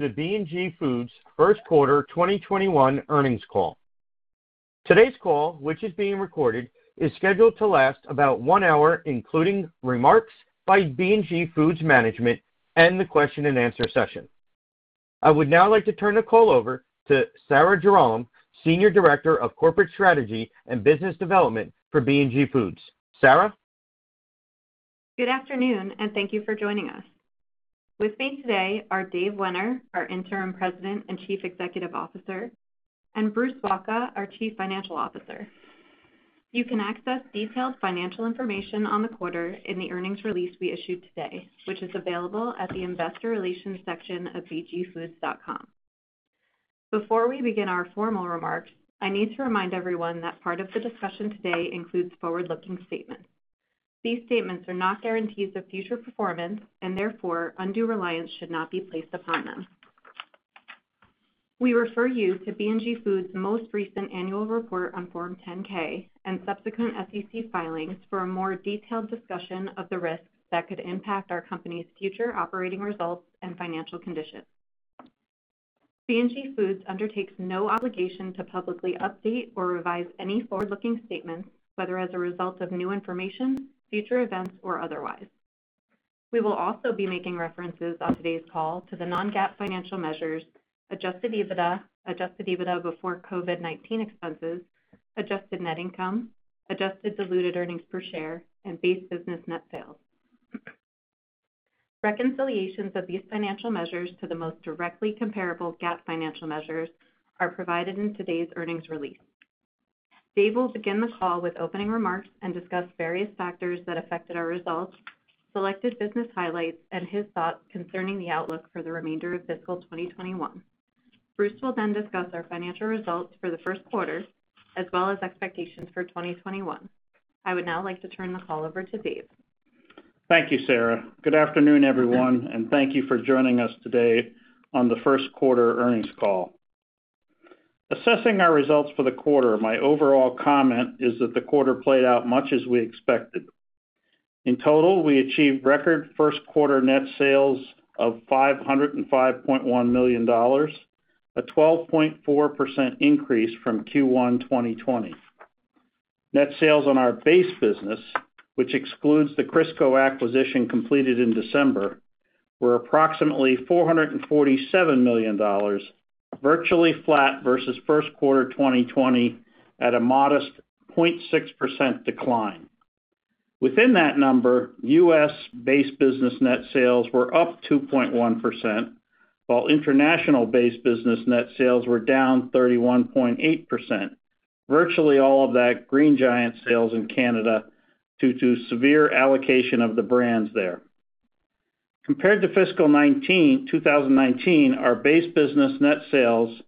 The B&G Foods First Quarter 2021 Earnings Call. Today's call, which is being recorded, is scheduled to last about one hour, including remarks by B&G Foods management and the question and answer session. I would now like to turn the call over to Sarah Jarolem, Senior Director of Corporate Strategy and Business Development for B&G Foods. Sarah? Good afternoon, and thank you for joining us. With me today are David Wenner, our Interim President and Chief Executive Officer, and Bruce Wacha, our Chief Financial Officer. You can access detailed financial information on the quarter in the earnings release we issued today, which is available at the investor relations section of bgfoods.com. Before we begin our formal remarks, I need to remind everyone that part of the discussion today includes forward-looking statements. These statements are not guarantees of future performance, and therefore, undue reliance should not be placed upon them. We refer you to B&G Foods' most recent annual report on Form 10-K and subsequent SEC filings for a more detailed discussion of the risks that could impact our company's future operating results and financial conditions. B&G Foods undertakes no obligation to publicly update or revise any forward-looking statements, whether as a result of new information, future events, or otherwise. We will also be making references on today's call to the non-GAAP financial measures, Adjusted EBITDA, Adjusted EBITDA before COVID-19 expenses, Adjusted Net Income, Adjusted Diluted Earnings Per Share, and Base Business Net Sales. Reconciliations of these financial measures to the most directly comparable GAAP financial measures are provided in today's earnings release. Dave will begin the call with opening remarks and discuss various factors that affected our results, selected business highlights, and his thoughts concerning the outlook for the remainder of fiscal 2021. Bruce will discuss our financial results for the first quarter, as well as expectations for 2021. I would now like to turn the call over to Dave. Thank you, Sarah. Good afternoon, everyone, and thank you for joining us today on the first quarter earnings call. Assessing our results for the quarter, my overall comment is that the quarter played out much as we expected. In total, we achieved record first quarter net sales of $505.1 million, a 12.4% increase from Q1 2020. Net sales on our base business, which excludes the Crisco acquisition completed in December, were approximately $447 million, virtually flat versus first quarter 2020, at a modest 0.6% decline. Within that number, U.S. Base Business Net Sales were up 2.1%, while international Base Business Net Sales were down 31.8%, virtually all of that Green Giant sales in Canada due to severe allocation of the brands there. Compared to fiscal 2019, our Base Business Net Sales,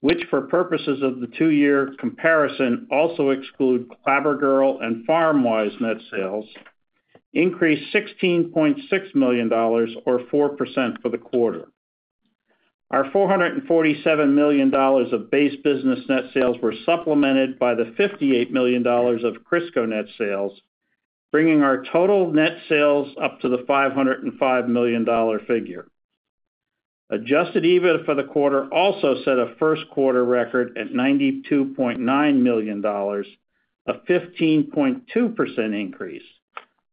which for purposes of the two-year comparison also exclude Clabber Girl and Farmwise net sales, increased $16.6 million or 4% for the quarter. Our $447 million of Base Business Net Sales were supplemented by the $58 million of Crisco net sales, bringing our total net sales up to the $505 million figure. Adjusted EBITDA for the quarter also set a first quarter record at $92.9 million, a 15.2% increase,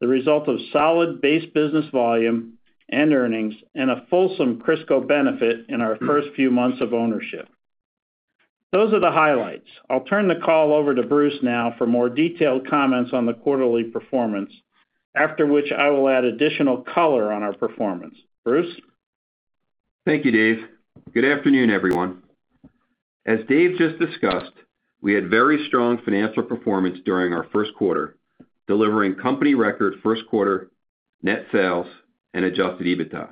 the result of solid base business volume and earnings and a fulsome Crisco benefit in our first few months of ownership. Those are the highlights. I'll turn the call over to Bruce now for more detailed comments on the quarterly performance, after which I will add additional color on our performance. Bruce? Thank you, Dave. Good afternoon, everyone. As Dave just discussed, we had very strong financial performance during our first quarter, delivering company record first quarter net sales and Adjusted EBITDA.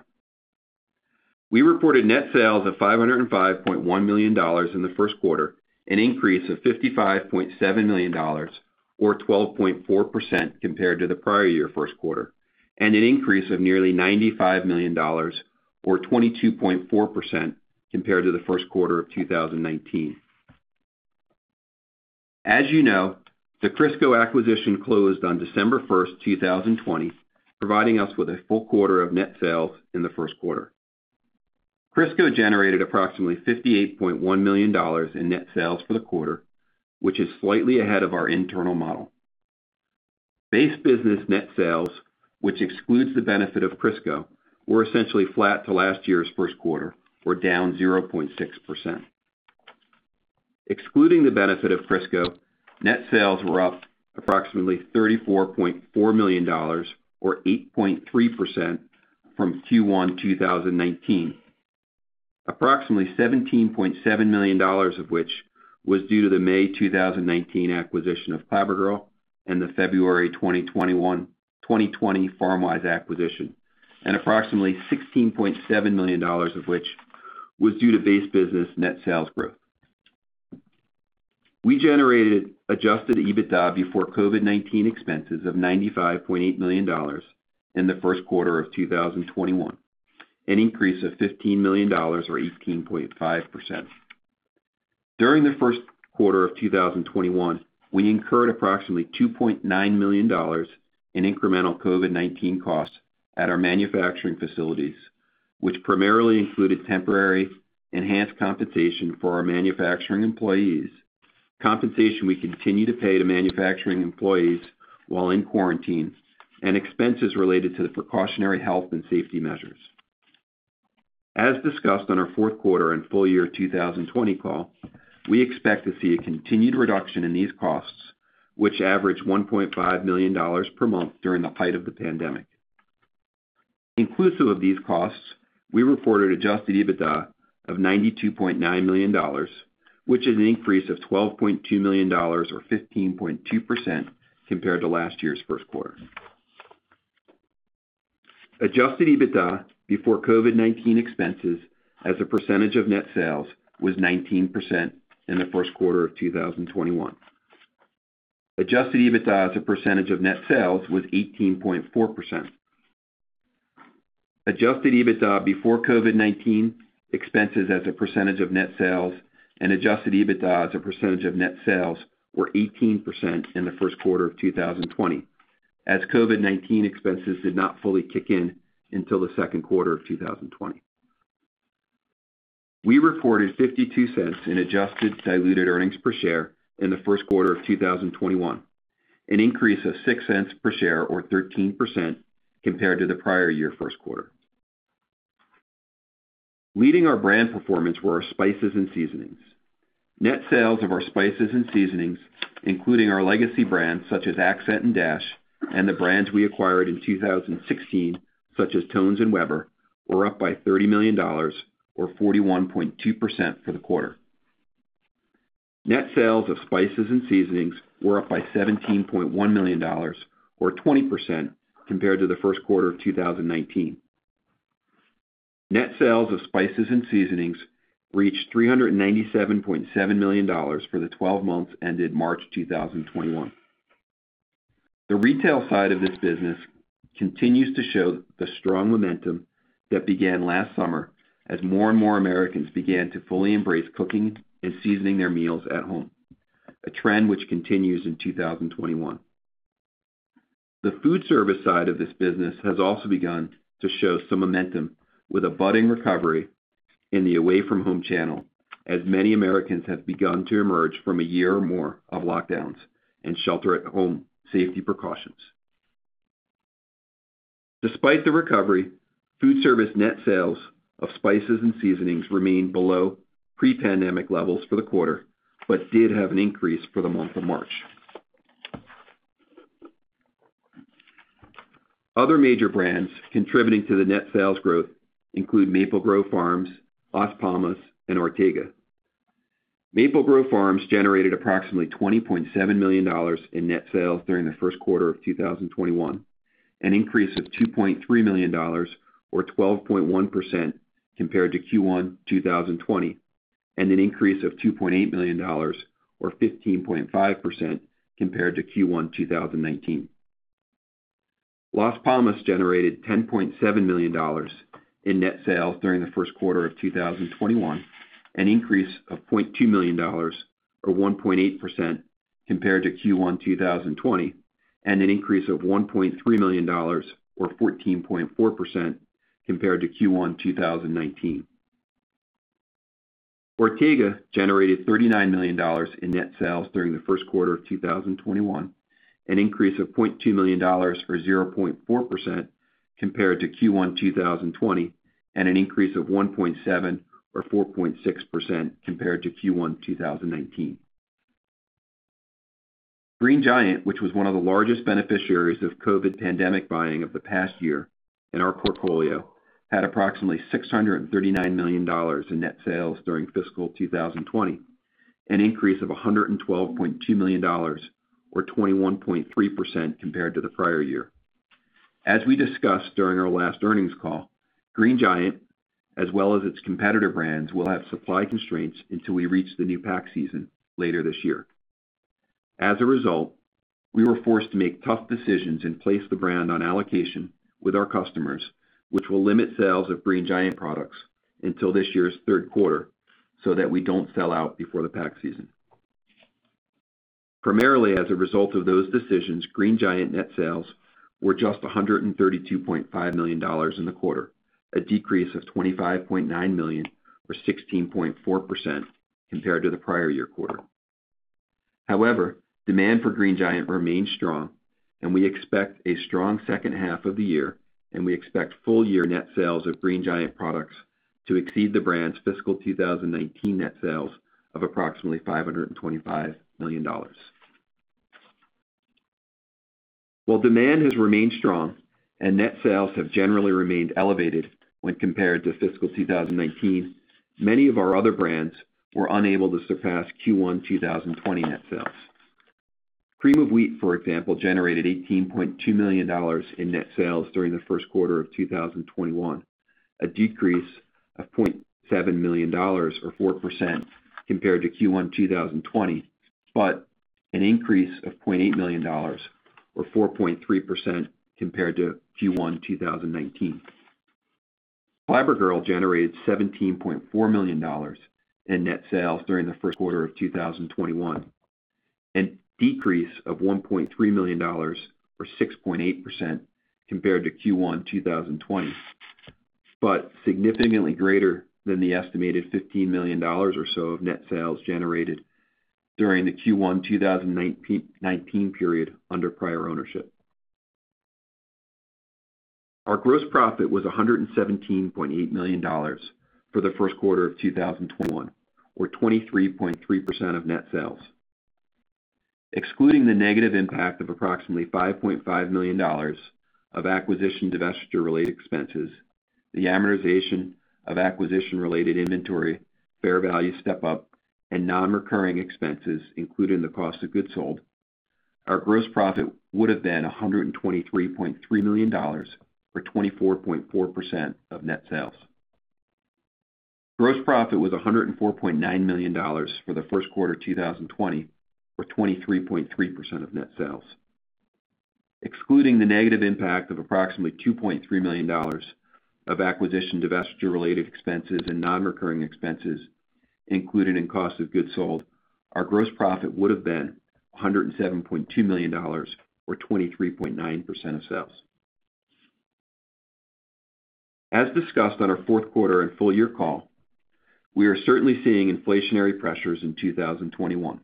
We reported net sales of $505.1 million in the first quarter, an increase of $55.7 million or 12.4% compared to the prior year first quarter, an increase of nearly $95 million or 22.4% compared to the first quarter of 2019. As you know, the Crisco acquisition closed on December 1st, 2020, providing us with a full quarter of net sales in the first quarter. Crisco generated approximately $58.1 million in net sales for the quarter, which is slightly ahead of our internal model. Base Business Net Sales, which excludes the benefit of Crisco, were essentially flat to last year's first quarter, or down 0.6%. Excluding the benefit of Crisco, net sales were up approximately $34.4 million or 8.3% from Q1 2019. Approximately $17.7 million of which was due to the May 2019 acquisition of Clabber Girl and the February 2020 Farmwise acquisition, and approximately $16.7 million of which was due to base business net sales growth. We generated Adjusted EBITDA before COVID-19 expenses of $95.8 million in the first quarter of 2021, an increase of $15 million or 18.5%. During the first quarter of 2021, we incurred approximately $2.9 million in incremental COVID-19 costs at our manufacturing facilities, which primarily included temporary enhanced compensation for our manufacturing employees, compensation we continue to pay to manufacturing employees while in quarantine, and expenses related to the precautionary health and safety measures. As discussed on our fourth quarter and full year 2020 call, we expect to see a continued reduction in these costs, which averaged $1.5 million per month during the height of the pandemic. Inclusive of these costs, we reported Adjusted EBITDA of $92.9 million, which is an increase of $12.2 million or 15.2% compared to last year's first quarter. Adjusted EBITDA before COVID-19 expenses as a percentage of net sales was 19% in the first quarter of 2021. Adjusted EBITDA as a percentage of net sales was 18.4%. Adjusted EBITDA before COVID-19 expenses as a percentage of net sales and Adjusted EBITDA as a percentage of net sales were 18% in the first quarter of 2020, as COVID-19 expenses did not fully kick in until the second quarter of 2020. We reported $0.52 in Adjusted Diluted Earnings Per Share in the first quarter of 2021, an increase of $0.06 per share or 13% compared to the prior year first quarter. Leading our brand performance were our spices and seasonings. Net sales of our spices and seasonings, including our legacy brands such as Ac'cent and Dash, and the brands we acquired in 2016, such as Tone's and Weber, were up by $30 million or 41.2% for the quarter. Net sales of spices and seasonings were up by $17.1 million or 20% compared to the first quarter of 2019. Net sales of spices and seasonings reached $397.7 million for the 12 months ended March 2021. The retail side of this business continues to show the strong momentum that began last summer as more and more Americans began to fully embrace cooking and seasoning their meals at home, a trend which continues in 2021. The food service side of this business has also begun to show some momentum with a budding recovery in the away-from-home channel, as many Americans have begun to emerge from a year or more of lockdowns and shelter-at-home safety precautions. Despite the recovery, food service net sales of spices and seasonings remain below pre-pandemic levels for the quarter, but did have an increase for the month of March. Other major brands contributing to the net sales growth include Maple Grove Farms, Las Palmas, and Ortega. Maple Grove Farms generated approximately $20.7 million in net sales during the first quarter of 2021, an increase of $2.3 million or 12.1% compared to Q1 2020, and an increase of $2.8 million or 15.5% compared to Q1 2019. Las Palmas generated $10.7 million in net sales during the first quarter of 2021, an increase of $0.2 million or 1.8% compared to Q1 2020, and an increase of $1.3 million or 14.4% compared to Q1 2019. Ortega generated $39 million in net sales during the first quarter of 2021, an increase of $0.2 million or 0.4% compared to Q1 2020, and an increase of $1.7 million or 4.6% compared to Q1 2019. Green Giant, which was one of the largest beneficiaries of COVID pandemic buying of the past year in our portfolio, had approximately $639 million in net sales during fiscal 2020, an increase of $112.2 million or 21.3% compared to the prior year. As we discussed during our last earnings call, Green Giant, as well as its competitor brands, will have supply constraints until we reach the new pack season later this year. As a result, we were forced to make tough decisions and place the brand on allocation with our customers, which will limit sales of Green Giant products until this year's third quarter so that we don't sell out before the pack season. Primarily as a result of those decisions, Green Giant net sales were just $132.5 million in the quarter, a decrease of $25.9 million or 16.4% compared to the prior year quarter. However, demand for Green Giant remains strong, and we expect a strong second half of the year, and we expect full-year net sales of Green Giant products to exceed the brand's fiscal 2019 net sales of approximately $525 million. While demand has remained strong and net sales have generally remained elevated when compared to fiscal 2019, many of our other brands were unable to surpass Q1 2020 net sales. Cream of Wheat, for example, generated $18.2 million in net sales during the first quarter of 2021, a decrease of $0.7 million or 4% compared to Q1 2020, but an increase of $0.8 million or 4.3% compared to Q1 2019. Clabber Girl generated $17.4 million in net sales during the first quarter of 2021, a decrease of $1.3 million, or 6.8%, compared to Q1 2020, but significantly greater than the estimated $15 million or so of net sales generated during the Q1 2019 period under prior ownership. Our gross profit was $117.8 million for the first quarter of 2021, or 23.3% of net sales. Excluding the negative impact of approximately $5.5 million of acquisition divestiture-related expenses, the amortization of acquisition-related inventory, fair value step-up, and non-recurring expenses included in the cost of goods sold, our gross profit would've been $123.3 million, or 24.4% of net sales. Gross profit was $104.9 million for the first quarter 2020, or 23.3% of net sales. Excluding the negative impact of approximately $2.3 million of acquisition divestiture-related expenses and non-recurring expenses included in cost of goods sold, our gross profit would've been $107.2 million, or 23.9% of sales. As discussed on our fourth quarter and full year call, we are certainly seeing inflationary pressures in 2021.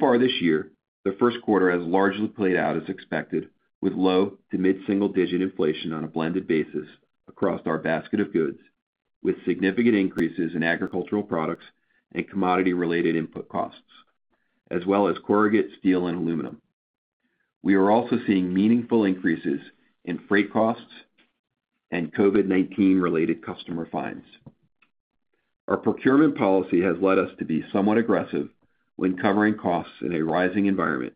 Far this year, the first quarter has largely played out as expected, with low to mid-single digit inflation on a blended basis across our basket of goods with significant increases in agricultural products and commodity-related input costs, as well as corrugate steel and aluminum. We are also seeing meaningful increases in freight costs and COVID-19 related customer fines. Our procurement policy has led us to be somewhat aggressive when covering costs in a rising environment,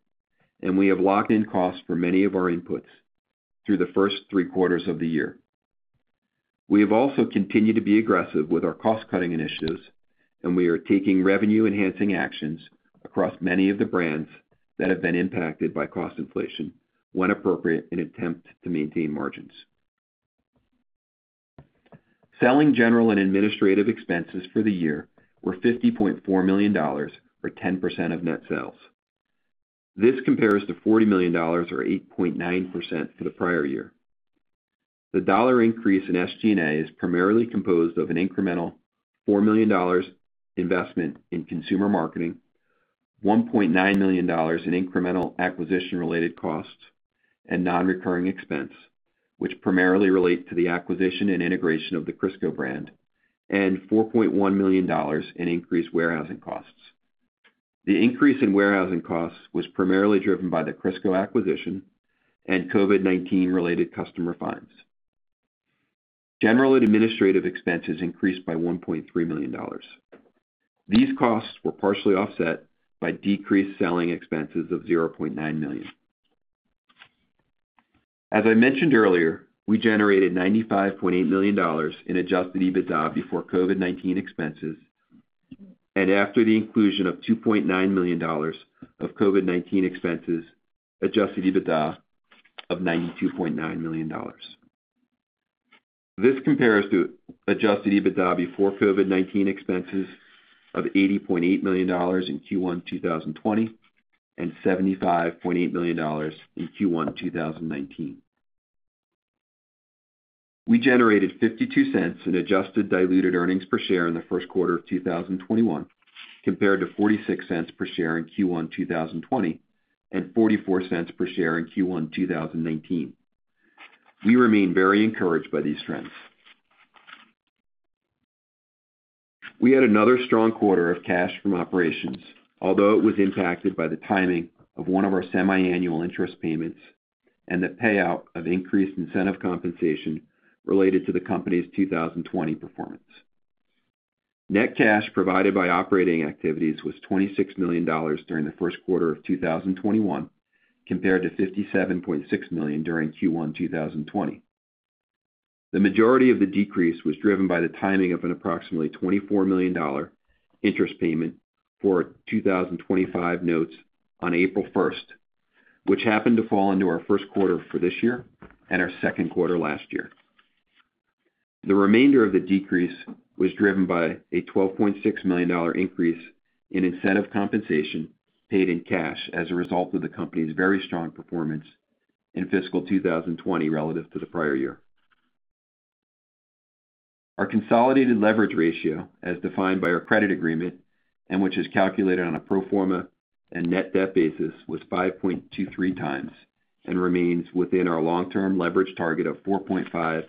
and we have locked in costs for many of our inputs through the first three quarters of the year. We have also continued to be aggressive with our cost-cutting initiatives, and we are taking revenue-enhancing actions across many of the brands that have been impacted by cost inflation, when appropriate, in attempt to maintain margins. Selling general and administrative expenses for the year were $50.4 million, or 10% of net sales. This compares to $40 million, or 8.9%, for the prior year. The dollar increase in SG&A is primarily composed of an incremental $4 million investment in consumer marketing, $1.9 million in incremental acquisition-related costs and non-recurring expense, which primarily relate to the acquisition and integration of the Crisco brand, and $4.1 million in increased warehousing costs. The increase in warehousing costs was primarily driven by the Crisco acquisition and COVID-19 related customer fines. General administrative expenses increased by $1.3 million. These costs were partially offset by decreased selling expenses of $0.9 million. As I mentioned earlier, we generated $95.8 million in Adjusted EBITDA before COVID-19 expenses, and after the inclusion of $2.9 million of COVID-19 expenses, Adjusted EBITDA of $92.9 million. This compares to Adjusted EBITDA before COVID-19 expenses of $80.8 million in Q1 2020, and $75.8 million in Q1 2019. We generated $0.52 in Adjusted Diluted Earnings Per Share in the first quarter of 2021, compared to $0.46 per share in Q1 2020, and $0.44 per share in Q1 2019. We remain very encouraged by these trends. We had another strong quarter of cash from operations, although it was impacted by the timing of one of our semi-annual interest payments and the payout of increased incentive compensation related to the company's 2020 performance. Net cash provided by operating activities was $26 million during the first quarter of 2021, compared to $57.6 million during Q1 2020. The majority of the decrease was driven by the timing of an approximately $24 million interest payment for our 2025 notes on April 1st, which happened to fall into our first quarter for this year and our second quarter last year. The remainder of the decrease was driven by a $12.6 million increase in incentive compensation paid in cash as a result of the company's very strong performance in fiscal 2020 relative to the prior year. Our consolidated leverage ratio, as defined by our credit agreement, which is calculated on a pro forma and net debt basis, was 5.23 times and remains within our long-term leverage target of 4.5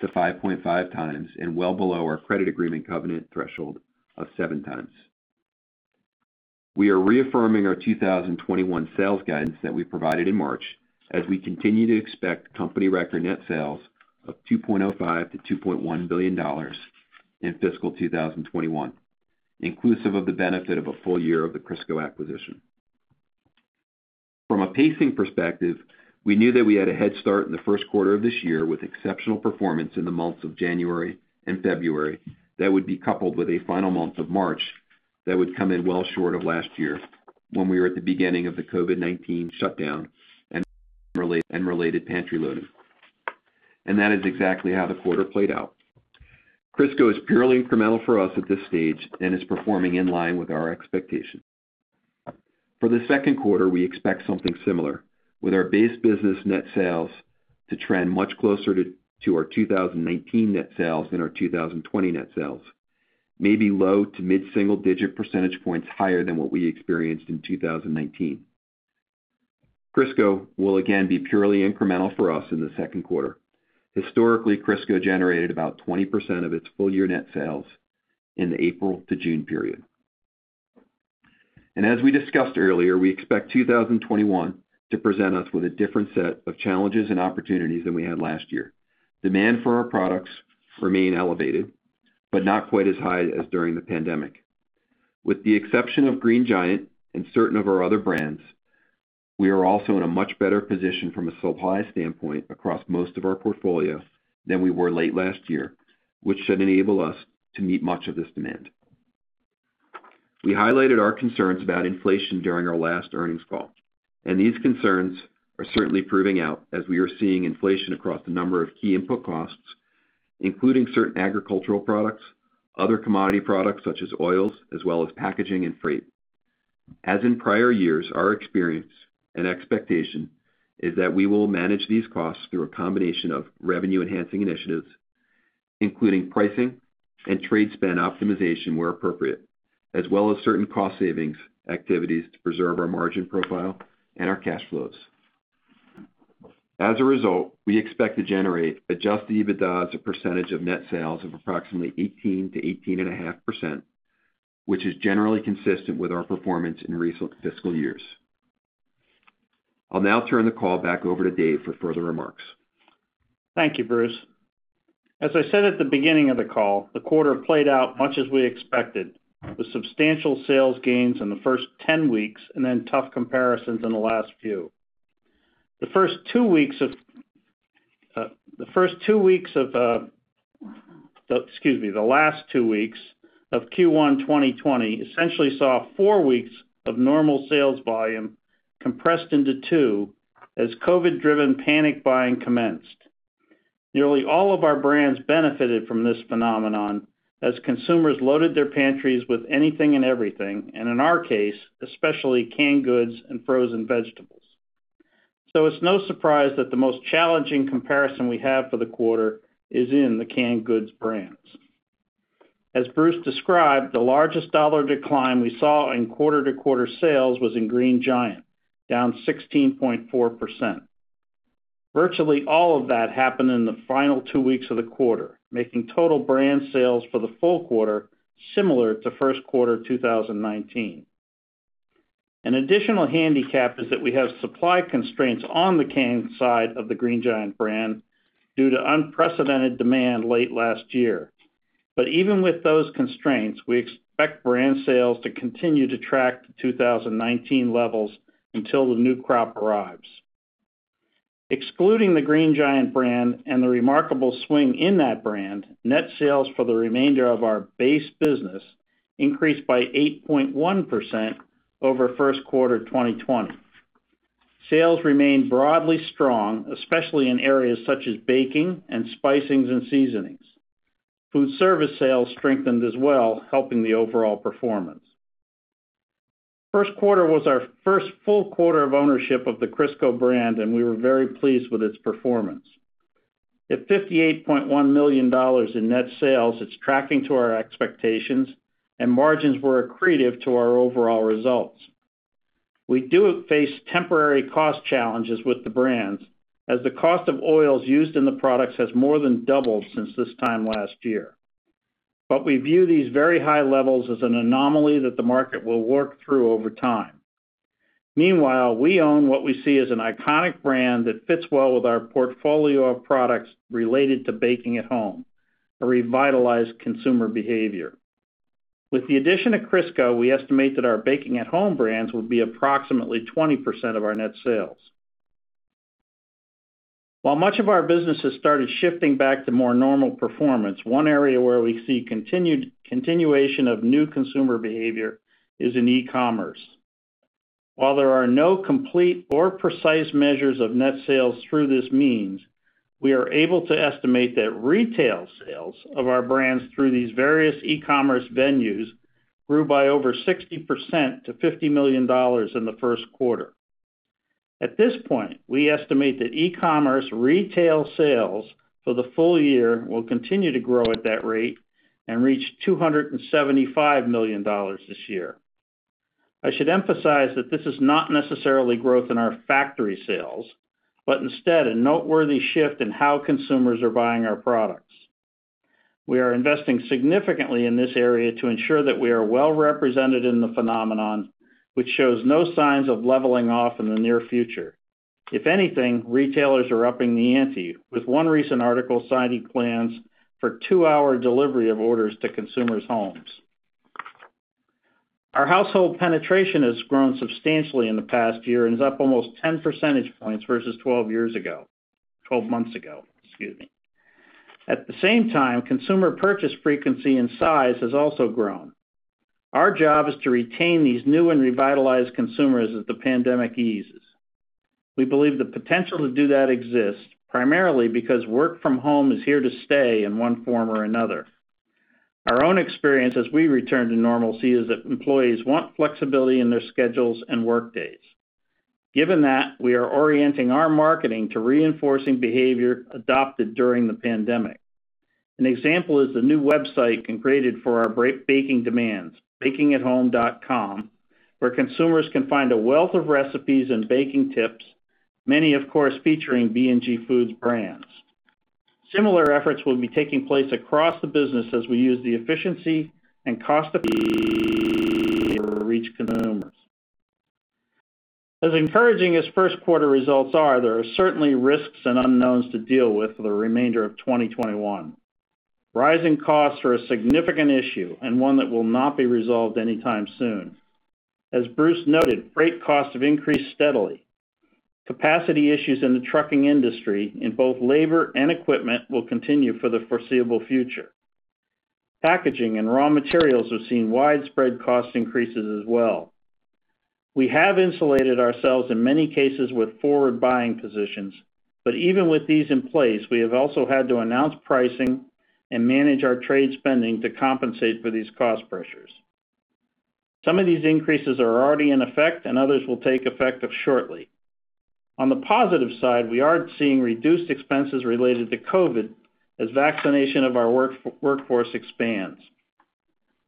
to 5.5 times, and well below our credit agreement covenant threshold of 7 times. We are reaffirming our 2021 sales guidance that we provided in March as we continue to expect company record net sales of $2.05 billion to $2.1 billion in fiscal 2021, inclusive of the benefit of a full year of the Crisco acquisition. From a pacing perspective, we knew that we had a head start in the first quarter of this year with exceptional performance in the months of January and February, that would be coupled with a final month of March. That would come in well short of last year when we were at the beginning of the COVID-19 shutdown and related pantry loading. That is exactly how the quarter played out. Crisco is purely incremental for us at this stage and is performing in line with our expectations. For the second quarter, we expect something similar, with our Base Business Net Sales to trend much closer to our 2019 net sales than our 2020 net sales, maybe low to mid-single digit percentage points higher than what we experienced in 2019. Crisco will again be purely incremental for us in the second quarter. Historically, Crisco generated about 20% of its full-year net sales in the April to June period. As we discussed earlier, we expect 2021 to present us with a different set of challenges and opportunities than we had last year. Demand for our products remain elevated, but not quite as high as during the pandemic. With the exception of Green Giant and certain of our other brands, we are also in a much better position from a supply standpoint across most of our portfolio than we were late last year, which should enable us to meet much of this demand. These concerns are certainly proving out as we are seeing inflation across a number of key input costs, including certain agricultural products, other commodity products such as oils, as well as packaging and freight. As in prior years, our experience and expectation is that we will manage these costs through a combination of revenue-enhancing initiatives, including pricing and trade spend optimization where appropriate, as well as certain cost savings activities to preserve our margin profile and our cash flows. As a result, we expect to generate Adjusted EBITDA as a percentage of net sales of approximately 18% to 18.5%, which is generally consistent with our performance in recent fiscal years. I'll now turn the call back over to Dave for further remarks. Thank you, Bruce. As I said at the beginning of the call, the quarter played out much as we expected, with substantial sales gains in the first 10 weeks and then tough comparisons in the last few. The last two weeks of Q1 2020 essentially saw four weeks of normal sales volume compressed into two as COVID-driven panic buying commenced. Nearly all of our brands benefited from this phenomenon as consumers loaded their pantries with anything and everything, and in our case, especially canned goods and frozen vegetables. It's no surprise that the most challenging comparison we have for the quarter is in the canned goods brands. As Bruce described, the largest dollar decline we saw in quarter-to-quarter sales was in Green Giant, down 16.4%. Virtually all of that happened in the final two weeks of the quarter, making total brand sales for the full quarter similar to first quarter 2019. An additional handicap is that we have supply constraints on the canned side of the Green Giant brand due to unprecedented demand late last year. Even with those constraints, we expect brand sales to continue to track to 2019 levels until the new crop arrives. Excluding the Green Giant brand and the remarkable swing in that brand, net sales for the remainder of our base business increased by 8.1% over first quarter 2020. Sales remained broadly strong, especially in areas such as baking and spicings and seasonings. Food service sales strengthened as well, helping the overall performance. First quarter was our first full quarter of ownership of the Crisco brand, and we were very pleased with its performance. At $58.1 million in net sales, it's tracking to our expectations, and margins were accretive to our overall results. We do face temporary cost challenges with the brands, as the cost of oils used in the products has more than doubled since this time last year. We view these very high levels as an anomaly that the market will work through over time. Meanwhile, we own what we see as an iconic brand that fits well with our portfolio of products related to baking at home, a revitalized consumer behavior. With the addition of Crisco, we estimate that our baking at home brands will be approximately 20% of our net sales. While much of our business has started shifting back to more normal performance, one area where we see continuation of new consumer behavior is in e-commerce. While there are no complete or precise measures of net sales through this means, we are able to estimate that retail sales of our brands through these various e-commerce venues grew by over 60% to $50 million in the first quarter. At this point, we estimate that e-commerce retail sales for the full year will continue to grow at that rate and reach $275 million this year. I should emphasize that this is not necessarily growth in our factory sales, but instead a noteworthy shift in how consumers are buying our products. We are investing significantly in this area to ensure that we are well represented in the phenomenon, which shows no signs of leveling off in the near future. If anything, retailers are upping the ante, with one recent article citing plans for two-hour delivery of orders to consumers' homes. Our household penetration has grown substantially in the past year and is up almost 10 percentage points versus 12 years ago. 12 months ago, excuse me. At the same time, consumer purchase frequency and size has also grown. Our job is to retain these new and revitalized consumers as the pandemic eases. We believe the potential to do that exists, primarily because work from home is here to stay in one form or another. Our own experience as we return to normalcy is that employees want flexibility in their schedules and workdays. Given that, we are orienting our marketing to reinforcing behavior adopted during the pandemic. An example is the new website created for our baking demands, bakingathome.com, where consumers can find a wealth of recipes and baking tips, many, of course, featuring B&G Foods brands. Similar efforts will be taking place across the business as we use the efficiency and cost to reach consumers. As encouraging as first quarter results are, there are certainly risks and unknowns to deal with for the remainder of 2021. Rising costs are a significant issue and one that will not be resolved anytime soon. As Bruce noted, freight costs have increased steadily. Capacity issues in the trucking industry in both labor and equipment will continue for the foreseeable future. Packaging and raw materials have seen widespread cost increases as well. Even with these in place, we have also had to announce pricing and manage our trade spending to compensate for these cost pressures. Others will take effect shortly. On the positive side, we are seeing reduced expenses related to COVID as vaccination of our workforce expands.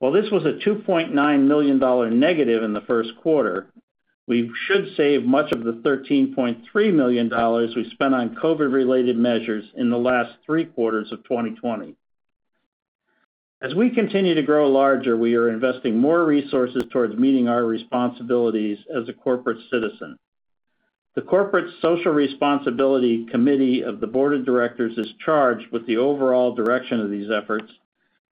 While this was a $2.9 million negative in the first quarter, we should save much of the $13.3 million we spent on COVID related measures in the last three quarters of 2020. As we continue to grow larger, we are investing more resources towards meeting our responsibilities as a corporate citizen. The Corporate Social Responsibility Committee of the Board of Directors is charged with the overall direction of these efforts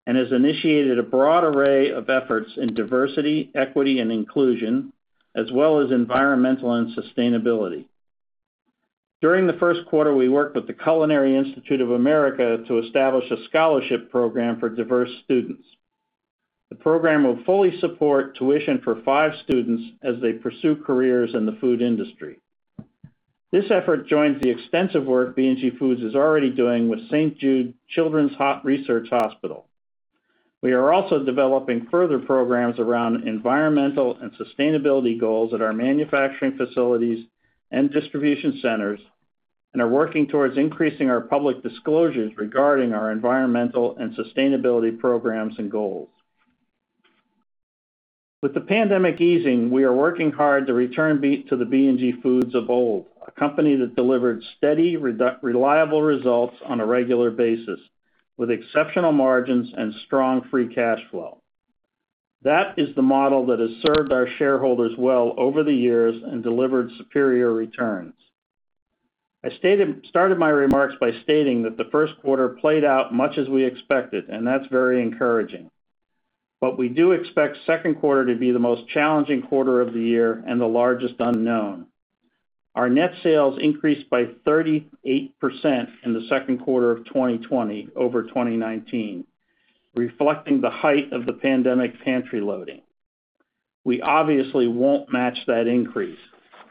and has initiated a broad array of efforts in diversity, equity, and inclusion, as well as environmental and sustainability. During the first quarter, we worked with The Culinary Institute of America to establish a scholarship program for diverse students. The program will fully support tuition for five students as they pursue careers in the food industry. This effort joins the extensive work B&G Foods is already doing with St. Jude Children's Research Hospital. We are also developing further programs around environmental and sustainability goals at our manufacturing facilities and distribution centers and are working towards increasing our public disclosures regarding our environmental and sustainability programs and goals. With the pandemic easing, we are working hard to return to the B&G Foods of old, a company that delivered steady, reliable results on a regular basis, with exceptional margins and strong Free Cash Flow. That is the model that has served our shareholders well over the years and delivered superior returns. I started my remarks by stating that the first quarter played out much as we expected, and that's very encouraging. We do expect second quarter to be the most challenging quarter of the year and the largest unknown. Our net sales increased by 38% in the second quarter of 2020 over 2019, reflecting the height of the pandemic pantry loading. We obviously won't match that increase,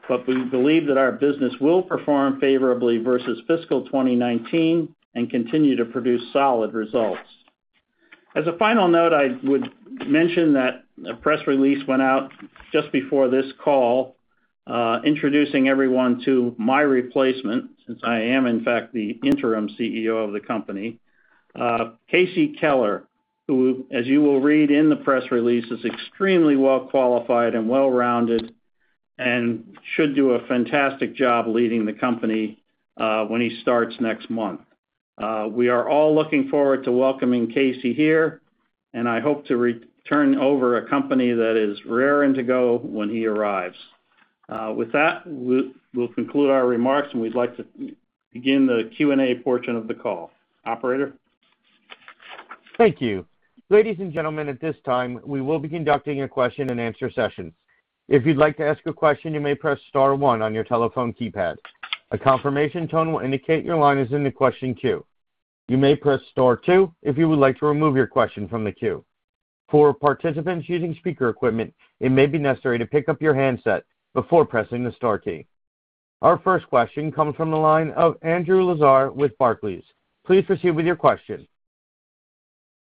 but we believe that our business will perform favorably versus fiscal 2019 and continue to produce solid results. As a final note, I would mention that a press release went out just before this call, introducing everyone to my replacement, since I am in fact the interim CEO of the company, Casey Keller, who, as you will read in the press release, is extremely well qualified and well-rounded and should do a fantastic job leading the company when he starts next month. We are all looking forward to welcoming Kenneth here, and I hope to turn over a company that is raring to go when he arrives. We'll conclude our remarks, and we'd like to begin the Q&A portion of the call. Operator? Thank you. Ladies and gentlemen, at this time, we will be conducting a question and answer session. If you'd like to ask a question, you may press star one on your telephone keypad. A confirmation tone will indicate your line is in the question queue. You may press star two if you would like to remove your question from the queue. For participants using speaker equipment, it may be necessary to pick up your handset before pressing the star key. Our first question comes from the line of Andrew Lazar with Barclays. Please proceed with your question.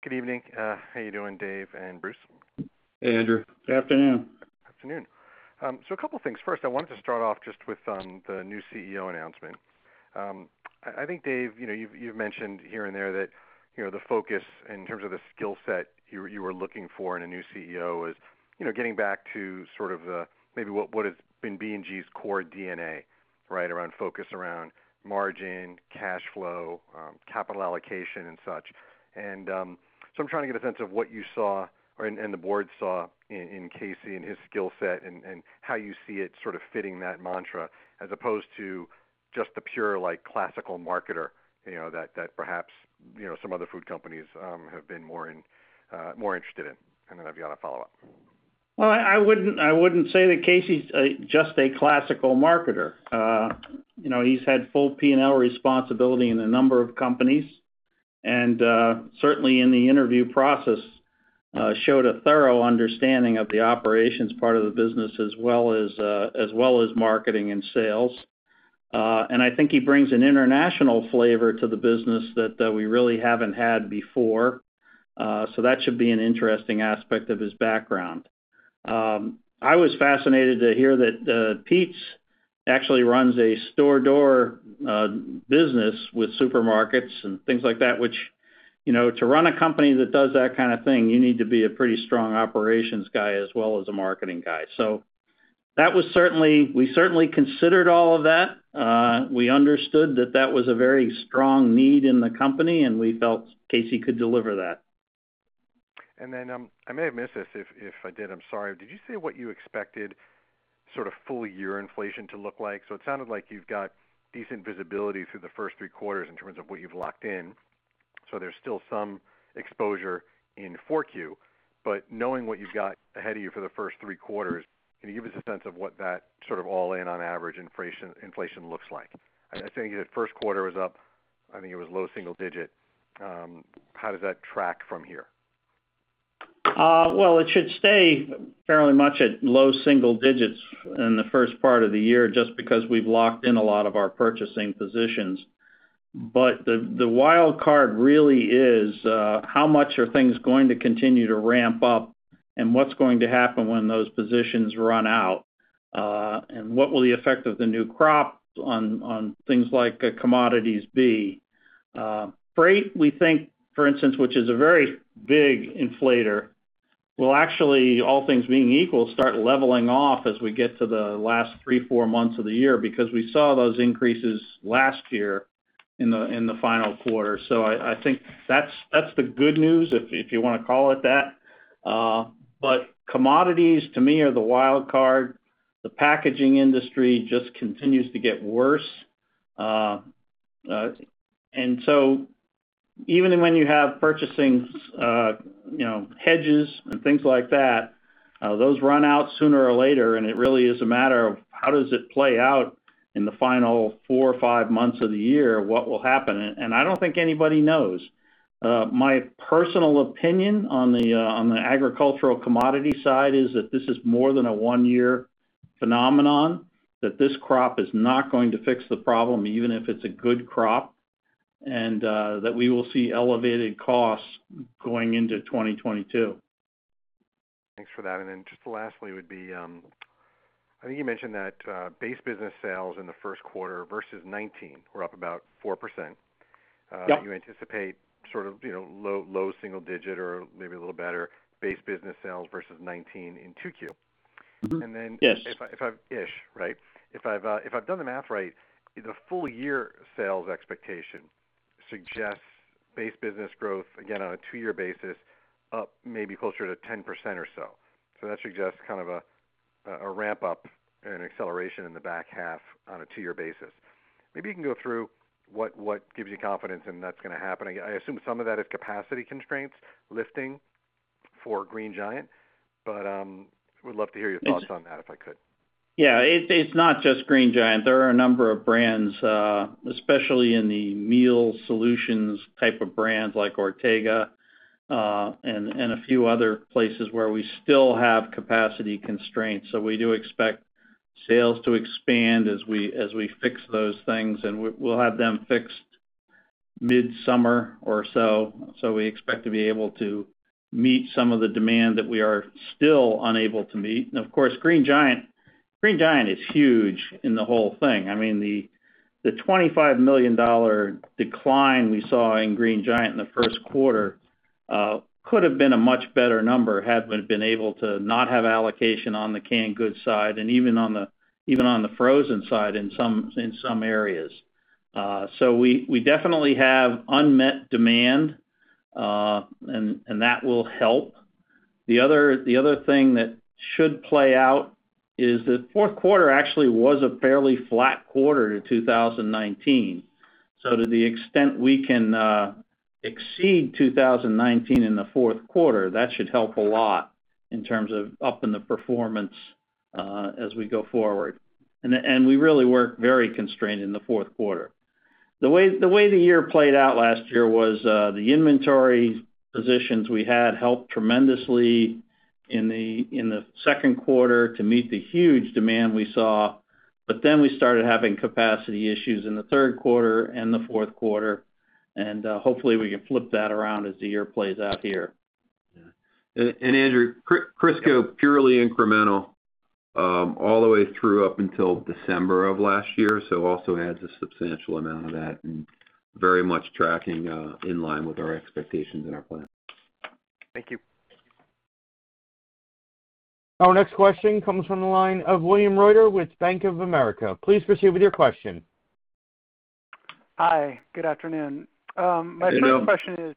Good evening. How you doing, Dave and Bruce? Hey, Andrew. Good afternoon. Afternoon. A couple of things. First, I wanted to start off just with the new CEO announcement. I think, David, you've mentioned here and there that the focus in terms of the skill set you were looking for in a new CEO is getting back to maybe what has been B&G's core DNA, right? Around focus around margin, cash flow, capital allocation and such. I'm trying to get a sense of what you saw, and the board saw in Casey and his skill set and how you see it sort of fitting that mantra as opposed to just the pure classical marketer that perhaps some other food companies have been more interested in. I've got a follow-up. Well, I wouldn't say that Casey's just a classical marketer. He's had full P&L responsibility in a number of companies, certainly in the interview process, showed a thorough understanding of the operations part of the business, as well as marketing and sales. I think he brings an international flavor to the business that we really haven't had before. That should be an interesting aspect of his background. I was fascinated to hear that Peet's actually runs a store door business with supermarkets and things like that, which to run a company that does that kind of thing, you need to be a pretty strong operations guy as well as a marketing guy. We certainly considered all of that. We understood that that was a very strong need in the company, we felt Casey could deliver that. I may have missed this, if I did, I'm sorry. Did you say what you expected sort of full year inflation to look like? It sounded like you've got decent visibility through the first three quarters in terms of what you've locked in. There's still some exposure in 4Q, but knowing what you've got ahead of you for the first three quarters, can you give us a sense of what that sort of all-in, on average inflation looks like? I think the first quarter was up, I think it was low single digit. How does that track from here? Well, it should stay fairly much at low single digits in the first part of the year, just because we've locked in a lot of our purchasing positions. The wild card really is how much are things going to continue to ramp up and what's going to happen when those positions run out? What will the effect of the new crop on things like commodities be? Freight, we think, for instance, which is a very big inflator, will actually, all things being equal, start leveling off as we get to the last three, four months of the year because we saw those increases last year in the final quarter. I think that's the good news, if you want to call it that. Commodities, to me, are the wild card. The packaging industry just continues to get worse. Even when you have purchasing hedges and things like that, those run out sooner or later, and it really is a matter of how does it play out in the final four or five months of the year, what will happen? I don't think anybody knows. My personal opinion on the agricultural commodity side is that this is more than a one-year phenomenon, that this crop is not going to fix the problem even if it's a good crop, and that we will see elevated costs going into 2022. Thanks for that. Then just lastly would be, I think you mentioned that Base Business Sales in the first quarter versus 2019 were up about 4%. Yep. You anticipate sort of low single digit or maybe a little better base business sales versus 2019 in 2Q. Mm-hmm. Yes. Right? If I've done the math right, the full year sales expectation suggests base business growth, again, on a two-year basis, up maybe closer to 10% or so. That suggests kind of a ramp-up and an acceleration in the back half on a two-year basis. Maybe you can go through what gives you confidence in that's going to happen. I assume some of that is capacity constraints lifting for Green Giant, but would love to hear your thoughts on that, if I could. Yeah. It's not just Green Giant. There are a number of brands, especially in the meal solutions type of brands like Ortega, and a few other places where we still have capacity constraints. We do expect sales to expand as we fix those things, and we'll have them fixed mid-summer or so. We expect to be able to meet some of the demand that we are still unable to meet. Of course, Green Giant is huge in the whole thing. I mean, the $25 million decline we saw in Green Giant in the first quarter could have been a much better number had we been able to not have allocation on the canned goods side, and even on the frozen side in some areas. We definitely have unmet demand, and that will help. The other thing that should play out is that fourth quarter actually was a fairly flat quarter to 2019. To the extent we can exceed 2019 in the fourth quarter, that should help a lot in terms of upping the performance as we go forward. We really were very constrained in the fourth quarter. The way the year played out last year was the inventory positions we had helped tremendously in the second quarter to meet the huge demand we saw, but then we started having capacity issues in the third quarter and the fourth quarter, and hopefully we can flip that around as the year plays out here. Yeah. Andrew, Crisco, purely incremental all the way through up until December of last year, also adds a substantial amount of that and very much tracking in line with our expectations and our plan. Thank you. Our next question comes from the line of William Reuter with Bank of America. Please proceed with your question. Hi, good afternoon. Good afternoon. My first question is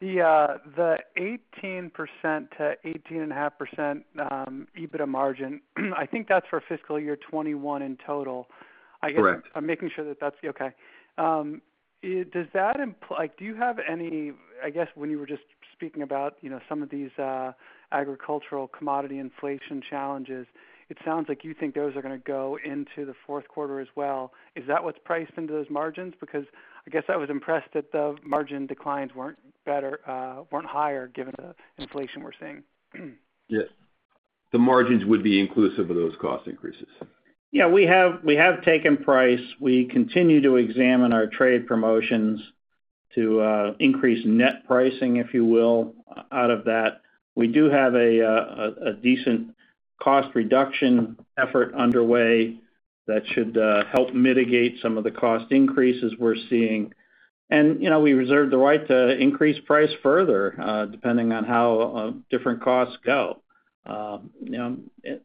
the 18% to 18.5% EBITDA margin, I think that's for fiscal year 2021 in total. Correct. I'm making sure that's okay. I guess when you were just speaking about some of these agricultural commodity inflation challenges, it sounds like you think those are going to go into the fourth quarter as well. Is that what's priced into those margins? I guess I was impressed that the margin declines weren't higher given the inflation we're seeing. Yes. The margins would be inclusive of those cost increases. Yeah, we have taken price. We continue to examine our trade promotions to increase net pricing, if you will, out of that. We do have a decent cost reduction effort underway that should help mitigate some of the cost increases we're seeing. We reserve the right to increase price further, depending on how different costs go.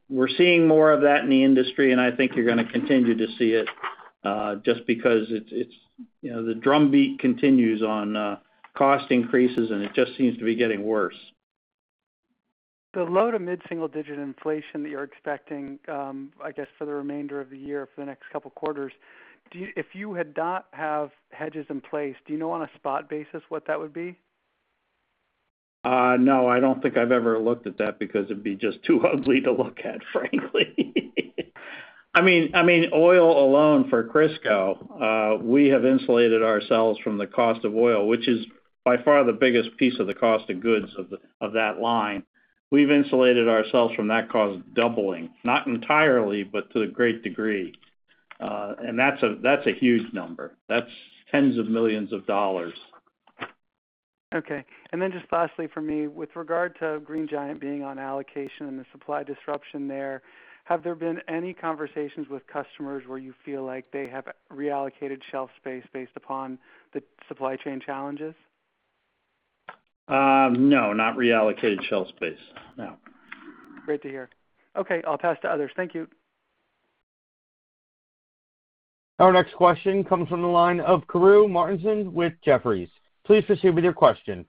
We're seeing more of that in the industry. I think you're going to continue to see it, just because the drumbeat continues on cost increases, and it just seems to be getting worse. The low- to mid-single digit inflation that you're expecting, I guess for the remainder of the year, for the next couple of quarters, if you had not have hedges in place, do you know on a spot basis what that would be? No, I don't think I've ever looked at that because it'd be just too ugly to look at, frankly. Oil alone for Crisco, we have insulated ourselves from the cost of oil, which is by far the biggest piece of the cost of goods of that line. We've insulated ourselves from that cost doubling. Not entirely, but to a great degree. That's a huge number. That's tens of millions of dollars. Okay. Just lastly from me, with regard to Green Giant being on allocation and the supply disruption there, have there been any conversations with customers where you feel like they have reallocated shelf space based upon the supply chain challenges? No, not reallocated shelf space. No. Great to hear. Okay, I'll pass to others. Thank you. Our next question comes from the line of [Kaumil Gajrawala] with Jefferies. Please proceed with your question.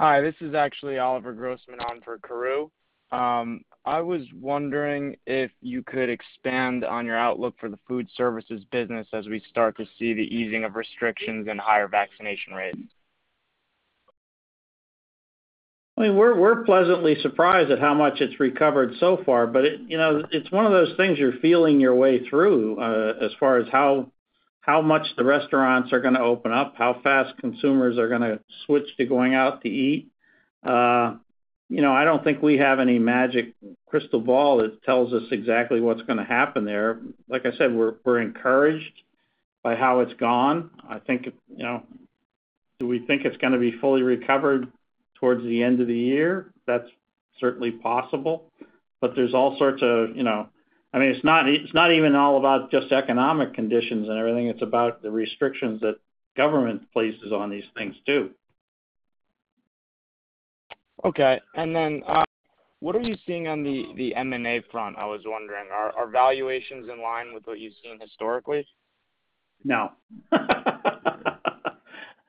Hi, this is actually Rob Dickerson on for [Kaumil Gajrawala]. I was wondering if you could expand on your outlook for the food services business as we start to see the easing of restrictions and higher vaccination rates? We're pleasantly surprised at how much it's recovered so far. It's one of those things you're feeling your way through, as far as how much the restaurants are going to open up, how fast consumers are going to switch to going out to eat. I don't think we have any magic crystal ball that tells us exactly what's going to happen there. Like I said, we're encouraged by how it's gone. Do we think it's going to be fully recovered towards the end of the year? That's certainly possible. It's not even all about just economic conditions and everything. It's about the restrictions that government places on these things, too. Okay. What are you seeing on the M&A front, I was wondering? Are valuations in line with what you've seen historically? No.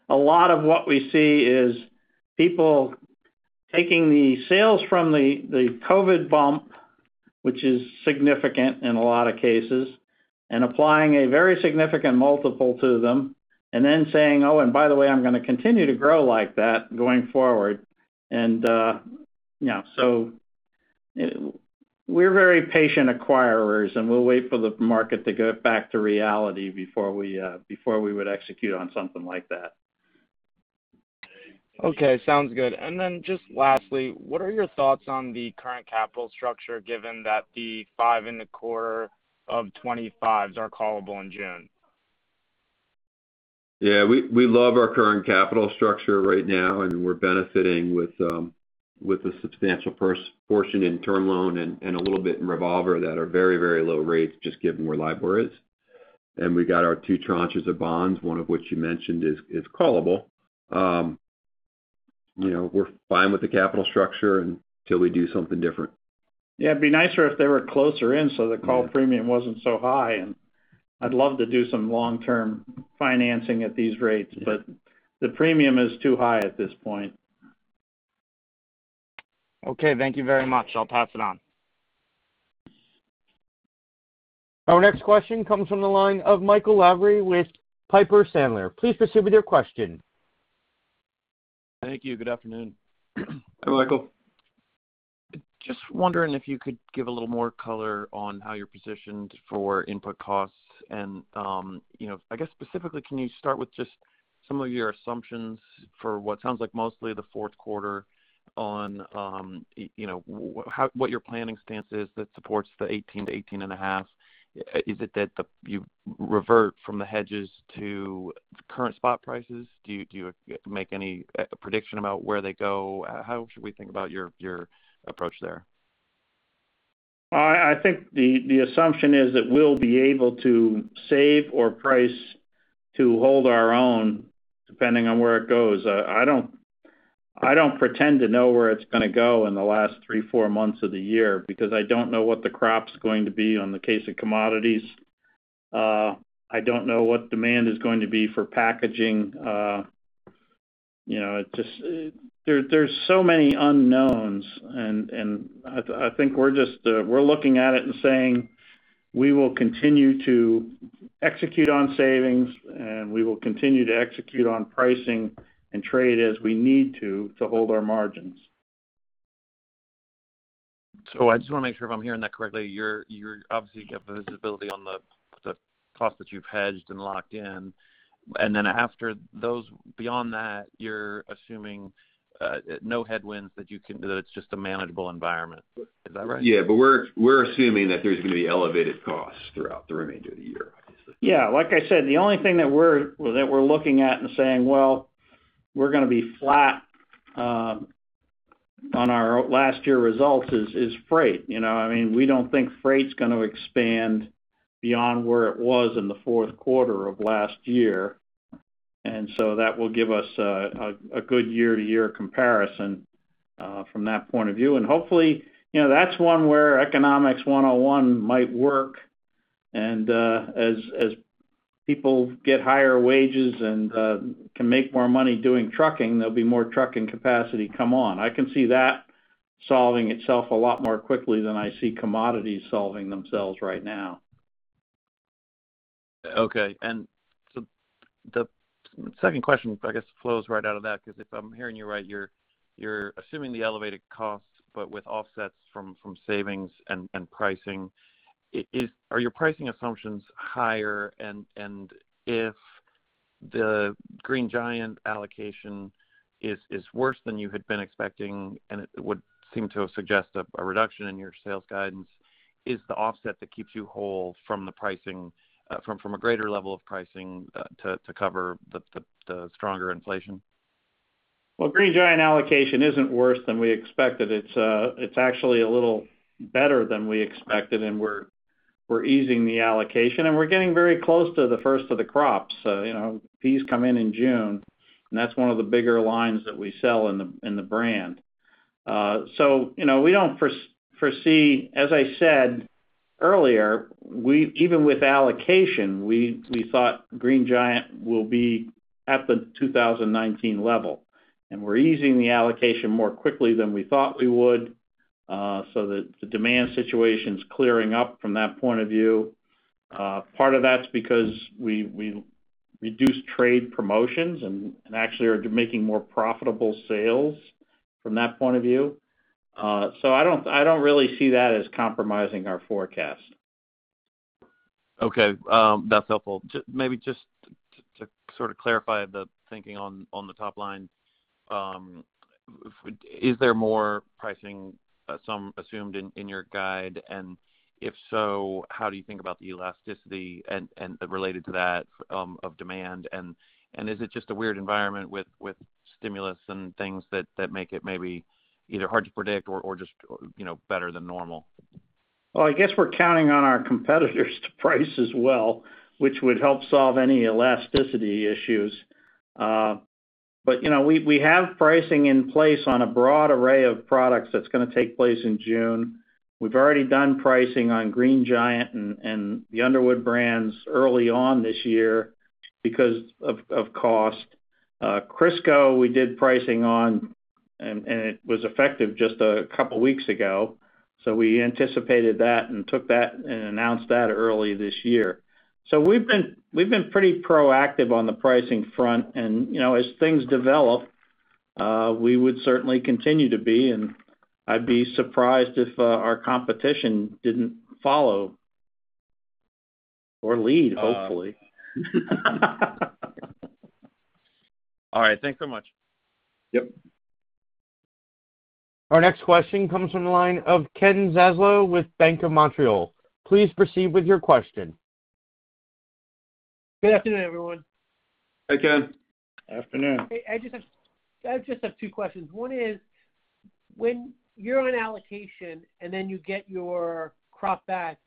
A lot of what we see is people taking the sales from the COVID bump, which is significant in a lot of cases, and applying a very significant multiple to them and then saying, "Oh, and by the way, I'm going to continue to grow like that going forward." We're very patient acquirers, and we'll wait for the market to get back to reality before we would execute on something like that. Okay, sounds good. Then just lastly, what are your thoughts on the current capital structure, given that the five and a quarter of 2025s are callable in June? Yeah, we love our current capital structure right now, and we're benefiting with a substantial portion in term loan and a little bit in revolver that are very low rates just given where LIBOR is. We got our two tranches of bonds, one of which you mentioned is callable. We're fine with the capital structure until we do something different. Yeah, it'd be nicer if they were closer in so the call premium wasn't so high, and I'd love to do some long-term financing at these rates. The premium is too high at this point. Okay, thank you very much. I'll pass it on. Our next question comes from the line of Michael Lavery with Piper Sandler. Please proceed with your question. Thank you. Good afternoon. Hi, Michael. Just wondering if you could give a little more color on how you're positioned for input costs and, I guess specifically, can you start with just some of your assumptions for what sounds like mostly the fourth quarter on what your planning stance is that supports the 18% to 18.5%? Is it that you revert from the hedges to current spot prices? Do you make any prediction about where they go? How should we think about your approach there? I think the assumption is that we'll be able to save or price to hold our own, depending on where it goes. I don't pretend to know where it's going to go in the last three, four months of the year because I don't know what the crop's going to be on the case of commodities. I don't know what demand is going to be for packaging. There's so many unknowns, and I think we're looking at it and saying we will continue to execute on savings, and we will continue to execute on pricing and trade as we need to hold our margins. I just want to make sure if I'm hearing that correctly, you obviously get the visibility on the cost that you've hedged and locked in, and then after those, beyond that, you're assuming no headwinds, that it's just a manageable environment. Is that right? Yeah, we're assuming that there's going to be elevated costs throughout the remainder of the year, basically. Yeah. Like I said, the only thing that we're looking at and saying, well, we're going to be flat on our last year results is freight. We don't think freight's going to expand beyond where it was in the fourth quarter of last year. That will give us a good year-to-year comparison from that point of view. Hopefully, that's one where economics 101 might work, and as people get higher wages and can make more money doing trucking, there'll be more trucking capacity come on. I can see that solving itself a lot more quickly than I see commodities solving themselves right now. Okay. The second question, I guess, flows right out of that, because if I'm hearing you right, you're assuming the elevated costs, but with offsets from savings and pricing. Are your pricing assumptions higher? If the Green Giant allocation is worse than you had been expecting, and it would seem to suggest a reduction in your sales guidance, is the offset that keeps you whole from a greater level of pricing to cover the stronger inflation? Well, Green Giant allocation isn't worse than we expected. It's actually a little better than we expected, and we're easing the allocation, and we're getting very close to the first of the crops. Peas come in in June, and that's one of the bigger lines that we sell in the brand. As I said earlier, even with allocation, we thought Green Giant will be at the 2019 level, and we're easing the allocation more quickly than we thought we would, so the demand situation's clearing up from that point of view. Part of that's because we reduced trade promotions, and actually are making more profitable sales from that point of view. I don't really see that as compromising our forecast. Okay. That's helpful. Maybe just to sort of clarify the thinking on the top line, is there more pricing assumed in your guide? If so, how do you think about the elasticity, and related to that, of demand? Is it just a weird environment with stimulus and things that make it maybe either hard to predict or just better than normal? Well, I guess we're counting on our competitors to price as well, which would help solve any elasticity issues. We have pricing in place on a broad array of products that's going to take place in June. We've already done pricing on Green Giant and the Underwood brands early on this year because of cost. Crisco, we did pricing on, and it was effective just a couple of weeks ago. We anticipated that and took that and announced that early this year. We've been pretty proactive on the pricing front, and as things develop, we would certainly continue to be. I'd be surprised if our competition didn't follow or lead, hopefully. All right. Thanks so much. Yep. Our next question comes from the line of Ken Zaslow with Bank of Montreal. Please proceed with your question. Good afternoon, everyone. Hey, Ken. Afternoon. Hey, I just have two questions. One is, when you're on allocation and then you get your crop back,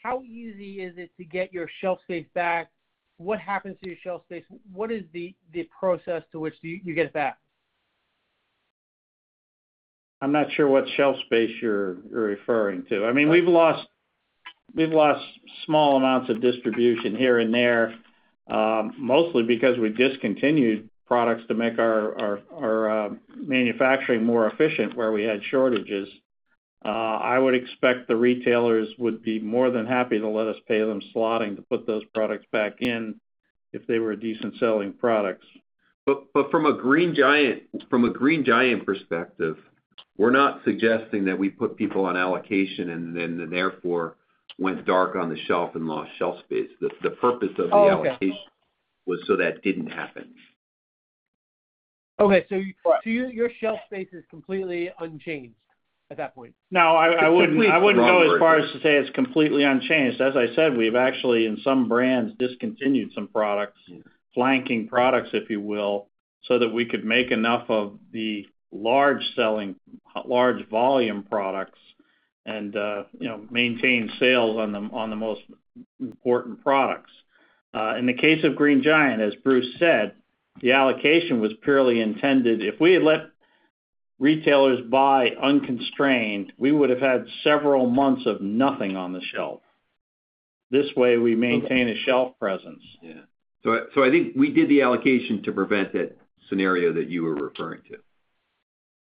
how easy is it to get your shelf space back? What happens to your shelf space? What is the process to which you get it back? I'm not sure what shelf space you're referring to. We've lost small amounts of distribution here and there, mostly because we discontinued products to make our manufacturing more efficient where we had shortages. I would expect the retailers would be more than happy to let us pay them slotting to put those products back in if they were decent selling products. From a Green Giant perspective, we're not suggesting that we put people on allocation and then therefore went dark on the shelf and lost shelf space. Oh, okay. [The capital on allocation] was so that didn't happen. Okay. Your shelf space is completely unchanged at that point? I wouldn't go as far as to say it's completely unchanged. As I said, we've actually, in some brands, discontinued some products, flanking products, if you will, so that we could make enough of the large volume products and maintain sales on the most important products. In the case of Green Giant, as Bruce said, the allocation was purely intended. If we had let retailers buy unconstrained, we would have had several months of nothing on the shelf. This way we maintain a shelf presence. Yeah. I think we did the allocation to prevent that scenario that you were referring to.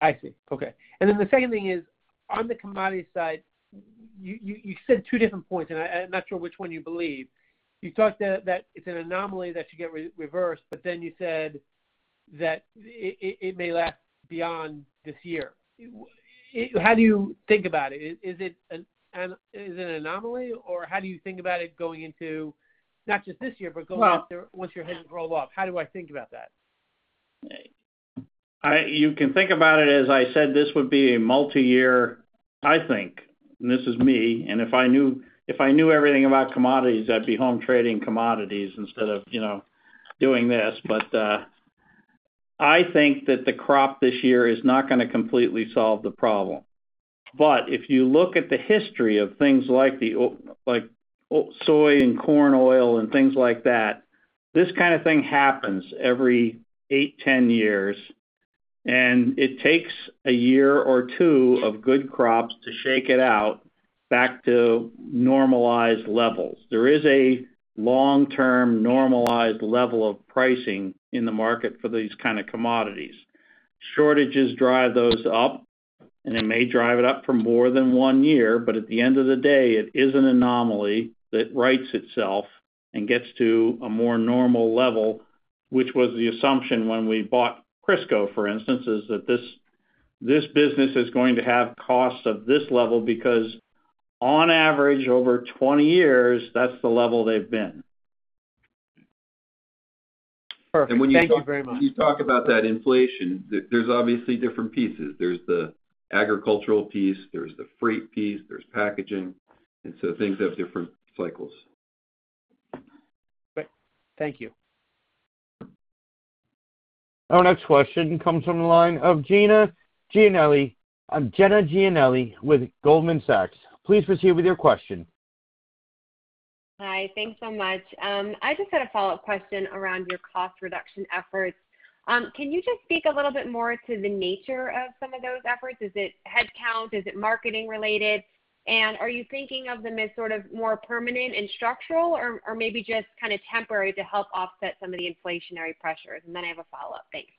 I see. Okay. The second thing is, on the commodity side, you said two different points, and I'm not sure which one you believe. You thought that it's an anomaly that should get reversed, but then you said that it may last beyond this year. How do you think about it? Is it an anomaly, or how do you think about it going into not just this year? Well- Once your hedges roll off? How do I think about that? You can think about it, as I said, this would be a multi-year, I think, and this is me, and if I knew everything about commodities, I'd be home trading commodities instead of doing this. I think that the crop this year is not going to completely solve the problem. If you look at the history of things like soy and corn oil and things like that, this kind of thing happens every eight, 10 years, and it takes a year or two of good crops to shake it out back to normalized levels. There is a long-term normalized level of pricing in the market for these kind of commodities. Shortages drive those up, and it may drive it up for more than one year, but at the end of the day, it is an anomaly that rights itself and gets to a more normal level, which was the assumption when we bought Crisco, for instance, is that this business is going to have costs of this level because on average, over 20 years, that's the level they've been. Perfect. Thank you very much. When you talk about that inflation, there's obviously different pieces. There's the agricultural piece, there's the freight piece, there's packaging. Things have different cycles. Great. Thank you. Our next question comes from the line of Jenna Giannelli with Goldman Sachs. Please proceed with your question. Hi. Thanks so much. I just had a follow-up question around your cost reduction efforts. Can you just speak a little bit more to the nature of some of those efforts? Is it headcount? Is it marketing related? Are you thinking of them as sort of more permanent and structural or maybe just kind of temporary to help offset some of the inflationary pressures? I have a follow-up. Thanks.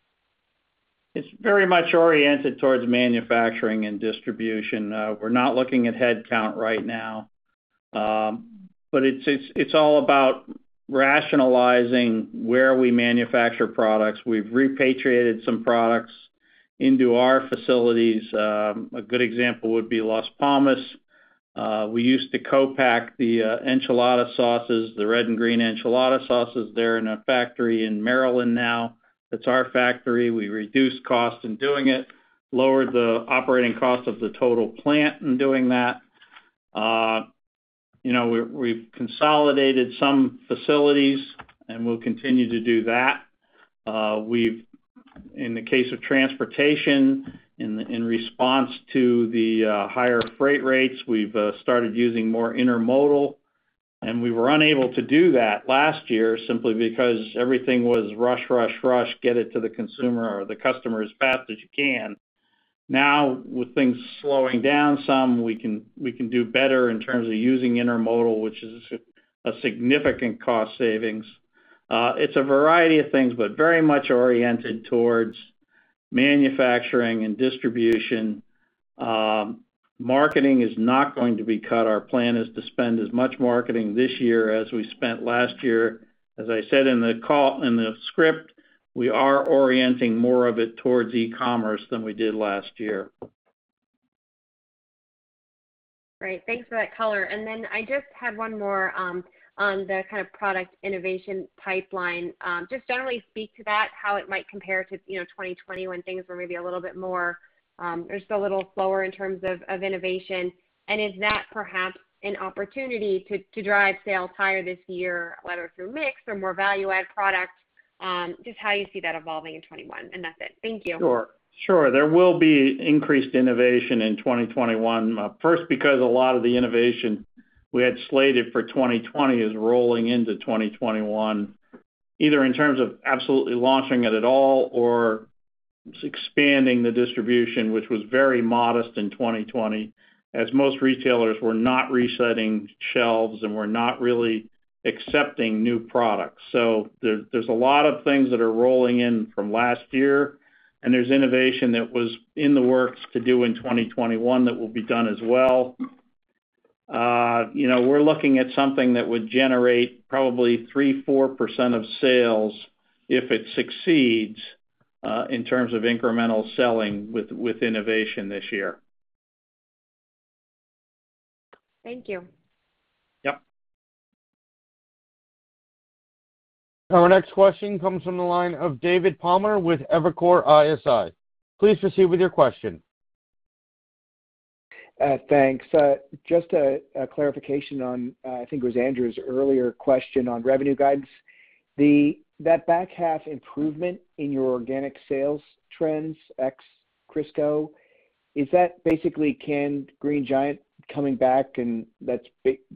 It's very much oriented towards manufacturing and distribution. We're not looking at headcount right now. It's all about rationalizing where we manufacture products. We've repatriated some products into our facilities. A good example would be Las Palmas. We used to co-pack the enchilada sauces, the red and green enchilada sauces there in a factory in Maryland now. It's our factory. We reduced cost in doing it, lowered the operating cost of the total plant in doing that. We've consolidated some facilities, and we'll continue to do that. In the case of transportation, in response to the higher freight rates, we've started using more intermodal, and we were unable to do that last year simply because everything was rush, rush, get it to the consumer or the customer as fast as you can. With things slowing down some, we can do better in terms of using intermodal which is a significant cost savings. It's a variety of things, but very much oriented towards manufacturing and distribution. Marketing is not going to be cut. Our plan is to spend as much marketing this year as we spent last year. As I said in the script, we are orienting more of it towards e-commerce than we did last year. Great. Thanks for that color. I just had one more on the kind of product innovation pipeline. Just generally speak to that, how it might compare to 2020 when things were maybe a little bit more, or just a little slower in terms of innovation, and is that perhaps an opportunity to drive sales higher this year, whether through mix or more value-add product? Just how you see that evolving in 2021. That's it. Thank you. Sure. Sure. There will be increased innovation in 2021. First, because a lot of the innovation we had slated for 2020 is rolling into 2021, either in terms of absolutely launching it at all or expanding the distribution, which was very modest in 2020, as most retailers were not resetting shelves and were not really accepting new products. There's a lot of things that are rolling in from last year, and there's innovation that was in the works to do in 2021 that will be done as well. We're looking at something that would generate probably 3%, 4% of sales if it succeeds in terms of incremental selling with innovation this year. Thank you. Yep. Our next question comes from the line of David Palmer with Evercore ISI. Please proceed with your question. Thanks. Just a clarification on, I think it was Andrew's earlier question on revenue guidance. That back half improvement in your organic sales trends ex Crisco, is that basically canned Green Giant coming back, and that's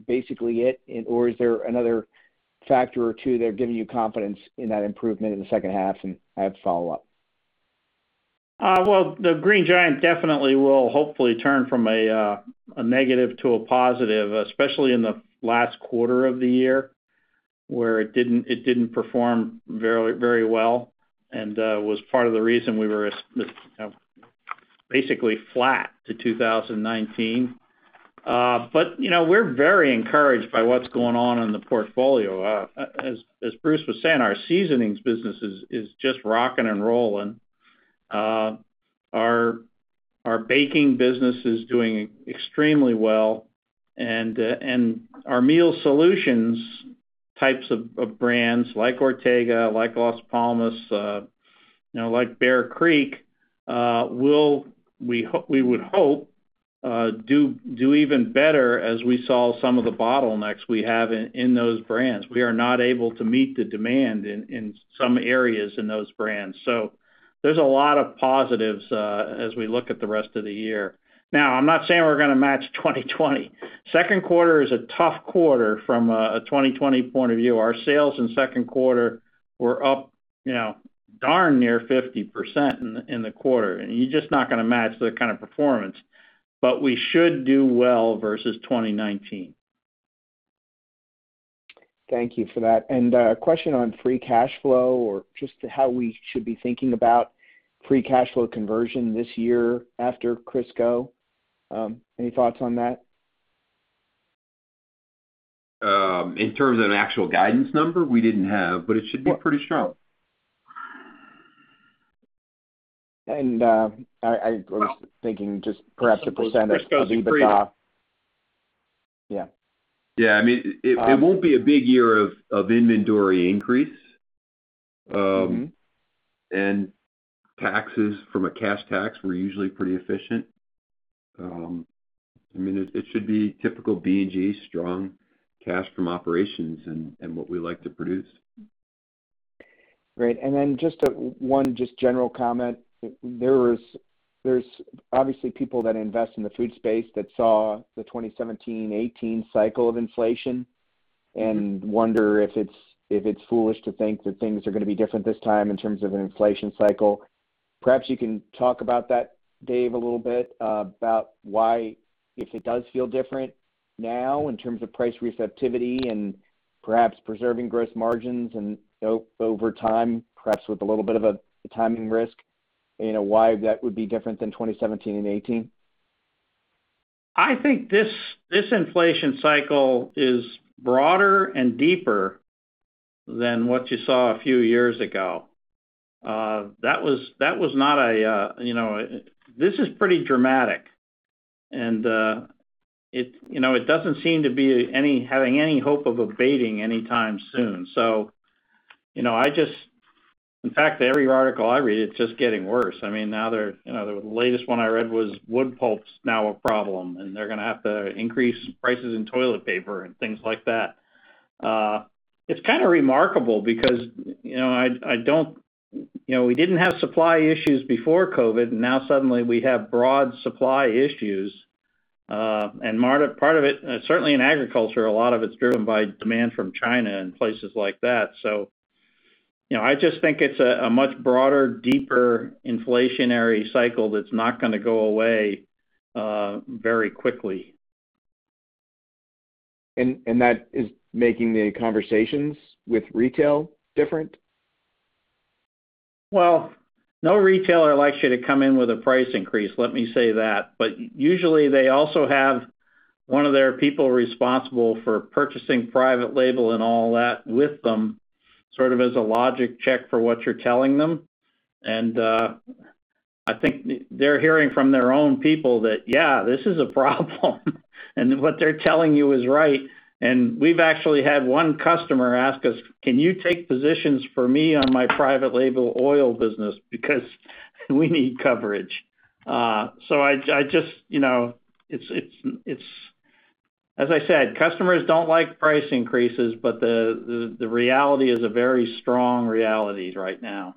basically it or is there another factor or two that are giving you confidence in that improvement in the second half? I have follow-up. Well, the Green Giant definitely will hopefully turn from a negative to a positive, especially in the last quarter of the year, where it didn't perform very well, and was part of the reason we were basically flat to 2019. We're very encouraged by what's going on in the portfolio. As Bruce was saying, our seasonings business is just rocking and rolling. Our baking business is doing extremely well. Our meal solutions types of brands like Ortega, like Las Palmas, like Bear Creek, we would hope do even better as we solve some of the bottlenecks we have in those brands. We are not able to meet the demand in some areas in those brands. There's a lot of positives as we look at the rest of the year. I'm not saying we're going to match 2020. Second quarter is a tough quarter from a 2020 point of view. Our sales in second quarter were up darn near 50% in the quarter. You're just not going to match that kind of performance, but we should do well versus 2019. Thank you for that. A question on Free Cash Flow, or just how we should be thinking about Free Cash Flow conversion this year after Crisco. Any thoughts on that? In terms of an actual guidance number, we didn't have, but it should be pretty strong. I was thinking just perhaps a percentage of EBITDA. Yeah. Yeah. It won't be a big year of inventory increase. Taxes, from a cash tax, we're usually pretty efficient. It should be typical B&G, strong cash from operations and what we like to produce. Great. Just one general comment. There's obviously people that invest in the food space that saw the 2017/2018 cycle of inflation, and wonder if it's foolish to think that things are going to be different this time in terms of an inflation cycle. Perhaps you can talk about that, David, a little bit, about why, if it does feel different now in terms of price receptivity and perhaps preserving gross margins and over time, perhaps with a little bit of a timing risk, why that would be different than 2017 and 2018? I think this inflation cycle is broader and deeper than what you saw a few years ago. This is pretty dramatic, and it doesn't seem to be having any hope of abating anytime soon. I know, I just, In fact, every article I read, it's just getting worse. The latest one I read was wood pulp's now a problem, and they're going to have to increase prices in toilet paper and things like that. It's kind of remarkable because we didn't have supply issues before COVID-19, and now suddenly we have broad supply issues. Part of it, certainly in agriculture, a lot of it's driven by demand from China and places like that. I just think it's a much broader, deeper inflationary cycle that's not going to go away very quickly. That is making the conversations with retail different? Well, no retailer likes you to come in with a price increase, let me say that. Usually, they also have one of their people responsible for purchasing private label and all that with them, sort of as a logic check for what you're telling them. I think they're hearing from their own people that, yeah, this is a problem and what they're telling you is right. We've actually had one customer ask us, "Can you take positions for me on my private label oil business? Because we need coverage." As I said, customers don't like price increases, but the reality is a very strong reality right now.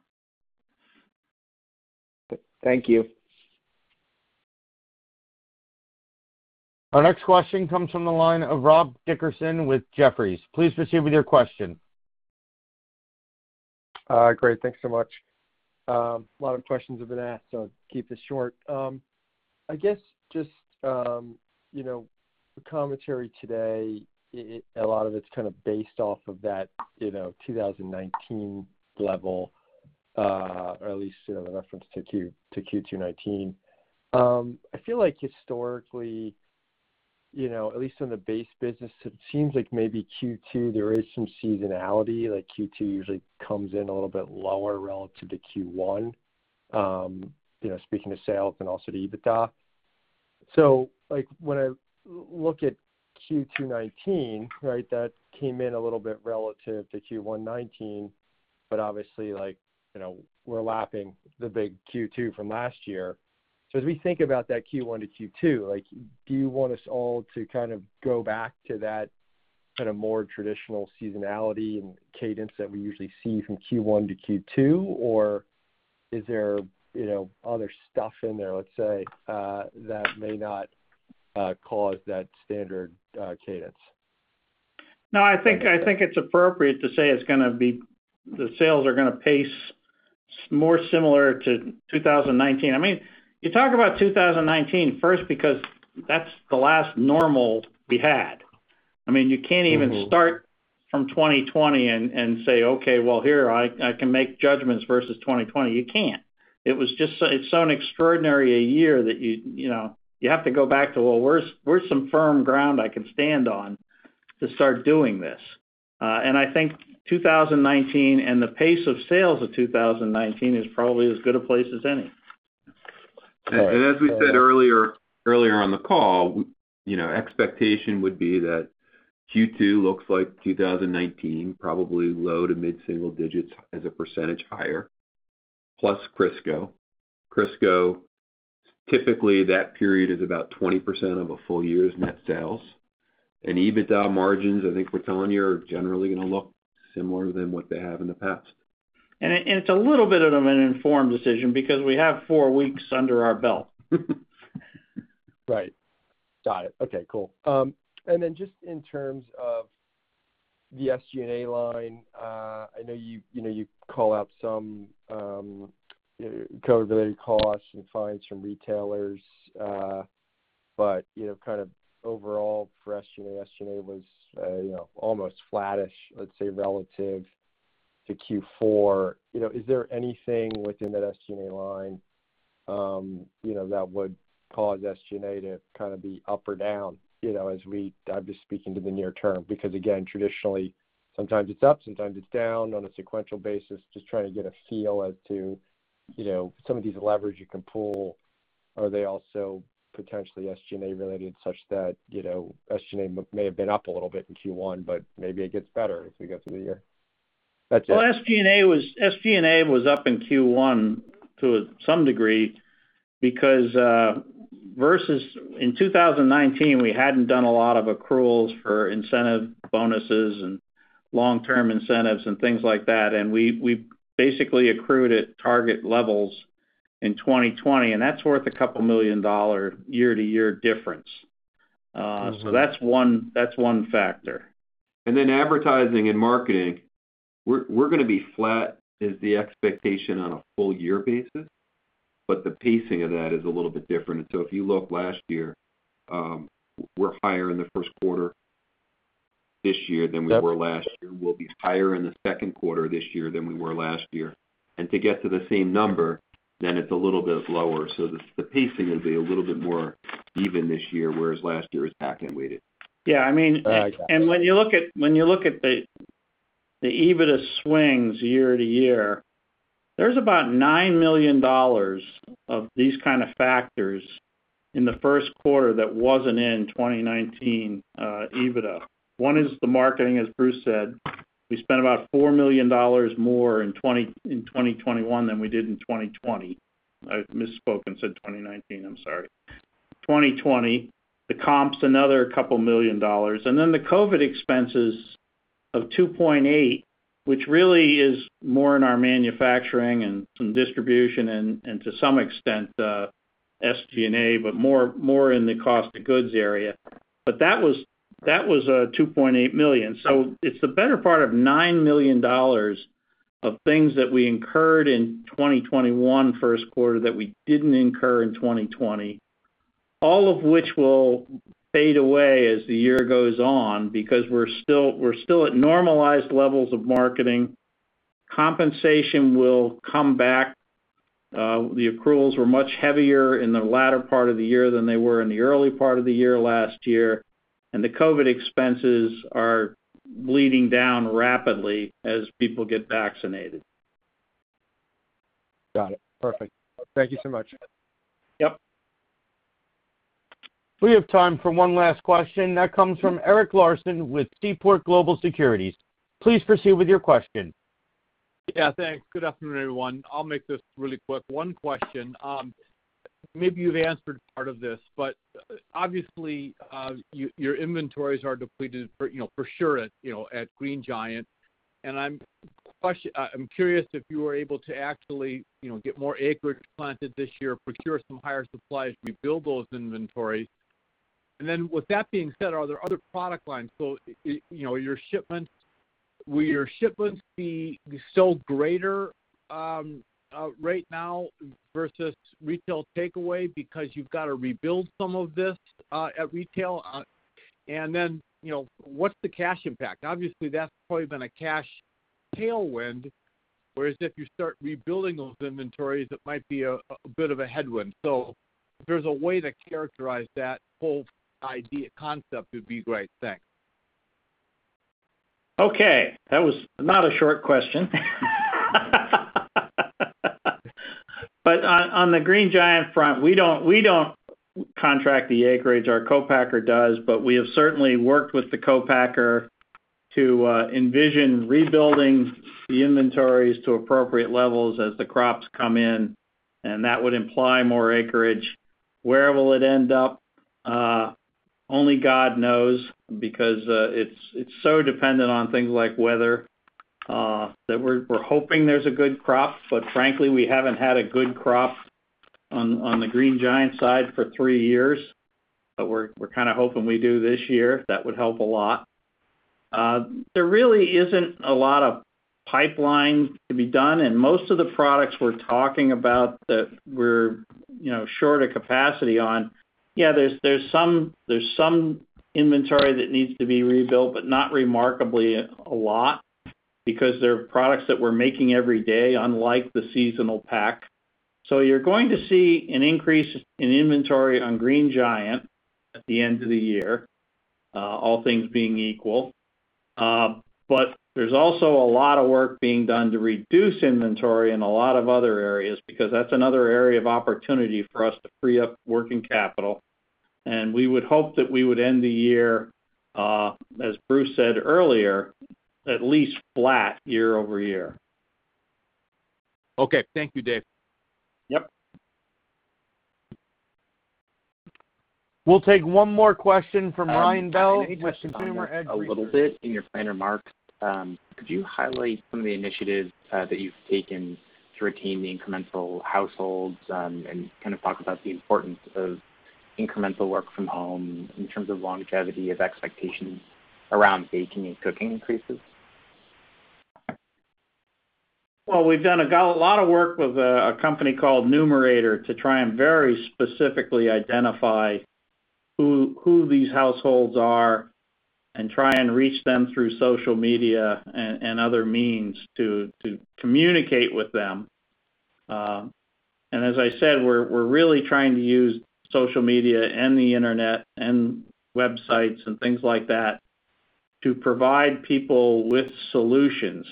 Thank you. Our next question comes from the line of Rob Dickerson with Jefferies. Please proceed with your question. Great. Thanks so much. A lot of questions have been asked. I'll keep this short. I guess just the commentary today, a lot of it's kind of based off of that 2019 level, or at least in reference to Q2 2019. I feel like historically, at least in the base business, it seems like maybe Q2, there is some seasonality. Like Q2 usually comes in a little bit lower relative to Q1, speaking to sales and also to EBITDA. When I look at Q2 2019, that came in a little bit relative to Q1 2019, but obviously we're lapping the big Q2 from last year. As we think about that Q1 to Q2, do you want us all to kind of go back to that kind of more traditional seasonality and cadence that we usually see from Q1 to Q2, or is there other stuff in there, let's say, that may not cause that standard cadence? No, I think it's appropriate to say the sales are going to pace more similar to 2019. You talk about 2019 first because that's the last normal we had. You can't even start from 2020 and say, "Okay, well, here, I can make judgments versus 2020?" You can't. It's so extraordinary a year that you have to go back to, "Well, where's some firm ground I can stand on to start doing this?" I think 2019 and the pace of sales of 2019 is probably as good a place as any. As we said earlier on the call, expectation would be that Q2 looks like 2019, probably low to mid-single digits as a percentage higher, plus Crisco. Crisco, typically, that period is about 20% of a full year's net sales. EBITDA margins, I think we're telling you, are generally going to look similar than what they have in the past. It's a little bit of an informed decision because we have four weeks under our belt. Right. Got it. Okay, cool. Just in terms of the SG&A line, I know you call out some COVID-related costs and fines from retailers. Kind of overall for SG&A, SG&A was almost flattish, let's say, relative to Q4. Is there anything within that SG&A line that would cause SG&A to kind of be up or down as we'd be speaking to the near term, because again, traditionally, sometimes it's up, sometimes it's down on a sequential basis. Just trying to get a feel as to some of these levers you can pull. Are they also potentially SG&A related such that SG&A may have been up a little bit in Q1, but maybe it gets better as we get through the year? That's it. Well, SG&A was up in Q1 to some degree because versus in 2019, we hadn't done a lot of accruals for incentive bonuses and long-term incentives and things like that. We basically accrued at target levels in 2020, and that's worth a couple million dollar year-to-year difference. That's one factor. Advertising and marketing, we're going to be flat is the expectation on a full year basis, but the pacing of that is a little bit different. If you look last year, we're higher in the first quarter this year than we were last year. We'll be higher in the second quarter this year than we were last year. To get to the same number, then it's a little bit lower. The pacing will be a little bit more even this year, whereas last year it was back-end weighted. Yeah. Got it. When you look at the EBITDA swings year-to-year, there's about $9 million of these kind of factors in the first quarter that wasn't in 2019 EBITDA. One is the marketing, as Bruce said. We spent about $4 million more in 2021 than we did in 2020. I misspoke, said 2019, I'm sorry, 2020. The comp's another couple million dollars. The COVID expenses of $2.8, which really is more in our manufacturing and some distribution and to some extent, SG&A, but more in the cost of goods area. That was a $2.8 million. It's the better part of $9 million of things that we incurred in 2021 first quarter that we didn't incur in 2020, all of which will fade away as the year goes on because we're still at normalized levels of marketing. Compensation will come back. The accruals were much heavier in the latter part of the year than they were in the early part of the year last year, and the COVID expenses are bleeding down rapidly as people get vaccinated. Got it. Perfect. Thank you so much. Yep. We have time for one last question. That comes from Eric Larson with Seaport Global Securities. Please proceed with your question. Yeah, thanks. Good afternoon, everyone. I'll make this really quick. One question. Obviously, your inventories are depleted for sure at Green Giant and I'm curious if you were able to actually get more acreage planted this year, procure some higher supplies, rebuild those inventories. With that being said, are there other product lines? Will your shipments be still greater right now versus retail takeaway because you've got to rebuild some of this at retail? What's the cash impact? Obviously, that's probably been a cash tailwind, whereas if you start rebuilding those inventories, it might be a bit of a headwind. If there's a way to characterize that whole idea concept would be great. Thanks. Okay. That was not a short question. On the Green Giant front, we don't contract the acreage, our co-packer does. We have certainly worked with the co-packer to envision rebuilding the inventories to appropriate levels as the crops come in, and that would imply more acreage. Where will it end up? Only God knows because it's so dependent on things like weather, that we're hoping there's a good crop, frankly, we haven't had a good crop on the Green Giant side for three years, we're kind of hoping we do this year. That would help a lot. There really isn't a lot of pipeline to be done, most of the products we're talking about that we're short of capacity on, yeah, there's some inventory that needs to be rebuilt, not remarkably a lot because they're products that we're making every day, unlike the seasonal pack. You're going to see an increase in inventory on Green Giant at the end of the year, all things being equal. There's also a lot of work being done to reduce inventory in a lot of other areas because that's another area of opportunity for us to free up working capital. We would hope that we would end the year, as Bruce said earlier, at least flat year-over-year. Okay. Thank you, David. Yep. We'll take one more question from Ryan Bell with Consumer Edge Research. Question on that a little bit in your planned remarks. Could you highlight some of the initiatives that you've taken to retain then incremental households and kind of talk about the importance of incremental work from home in terms of longevity of expectations around baking and cooking increases? Well, we've done a lot of work with a company called Numerator to try and very specifically identify who these households are and try and reach them through social media and other means to communicate with them. As I said, we're really trying to use social media and the internet and websites and things like that to provide people with solutions.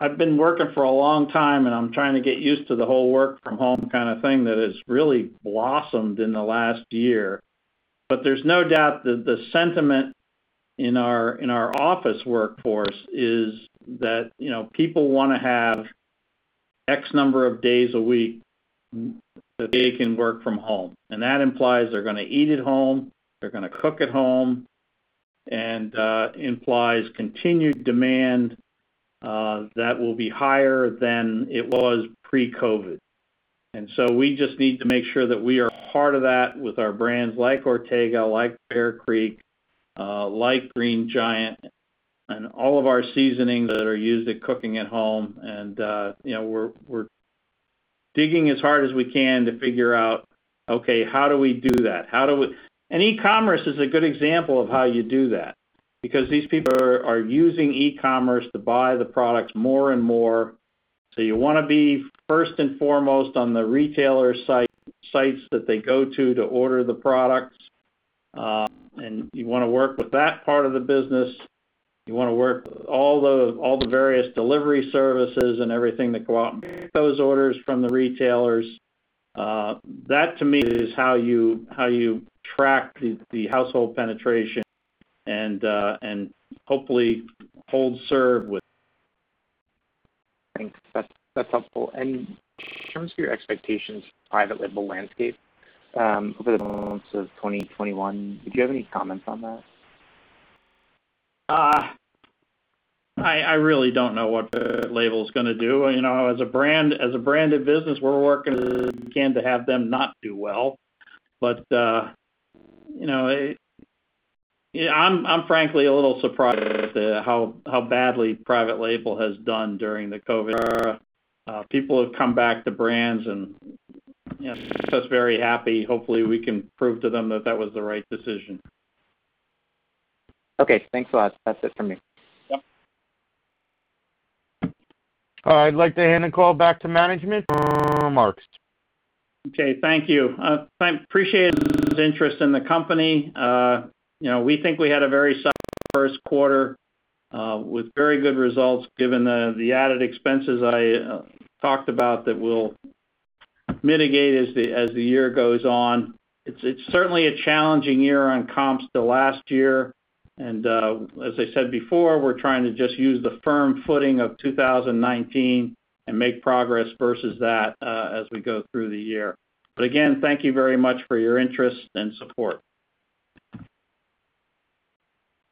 I've been working for a long time, and I'm trying to get used to the whole work from home kind of thing that has really blossomed in the last year. There's no doubt that the sentiment in our office workforce is that people want to have X number of days a week that they can work from home. That implies they're going to eat at home, they're going to cook at home, and implies continued demand that will be higher than it was pre-COVID. We just need to make sure that we are part of that with our brands like Ortega, like Bear Creek, like Green Giant, and all of our seasonings that are used at cooking at home. We're digging as hard as we can to figure out, okay, how do we do that? E-commerce is a good example of how you do that, because these people are using e-commerce to buy the products more and more. You want to be first and foremost on the retailer sites that they go to to order the products. You want to work with that part of the business. You want to work with all the various delivery services and everything that go out and make those orders from the retailers. That to me, is how you track the household penetration and hopefully hold serve. Thanks. That's helpful. In terms of your expectations for private label landscape over the balance of 2021, did you have any comments on that? I really don't know what the label's going to do. As a branded business, we're working again to have them not do well. I'm frankly a little surprised at how badly private label has done during the COVID era. People have come back to brands, and it makes us very happy. Hopefully, we can prove to them that that was the right decision. Okay. Thanks a lot. That's it for me. Yep. I'd like to hand the call back to management for remarks. Okay. Thank you. I appreciate interest in the company. We think we had a very solid first quarter with very good results given the added expenses I talked about that we'll mitigate as the year goes on. It's certainly a challenging year on comps to last year. As I said before, we're trying to just use the firm footing of 2019 and make progress versus that as we go through the year. Again, thank you very much for your interest and support.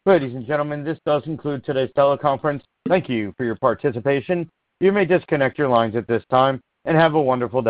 Ladies and gentlemen, this does conclude today's teleconference. Thank you for your participation. You may disconnect your lines at this time. Have a wonderful day.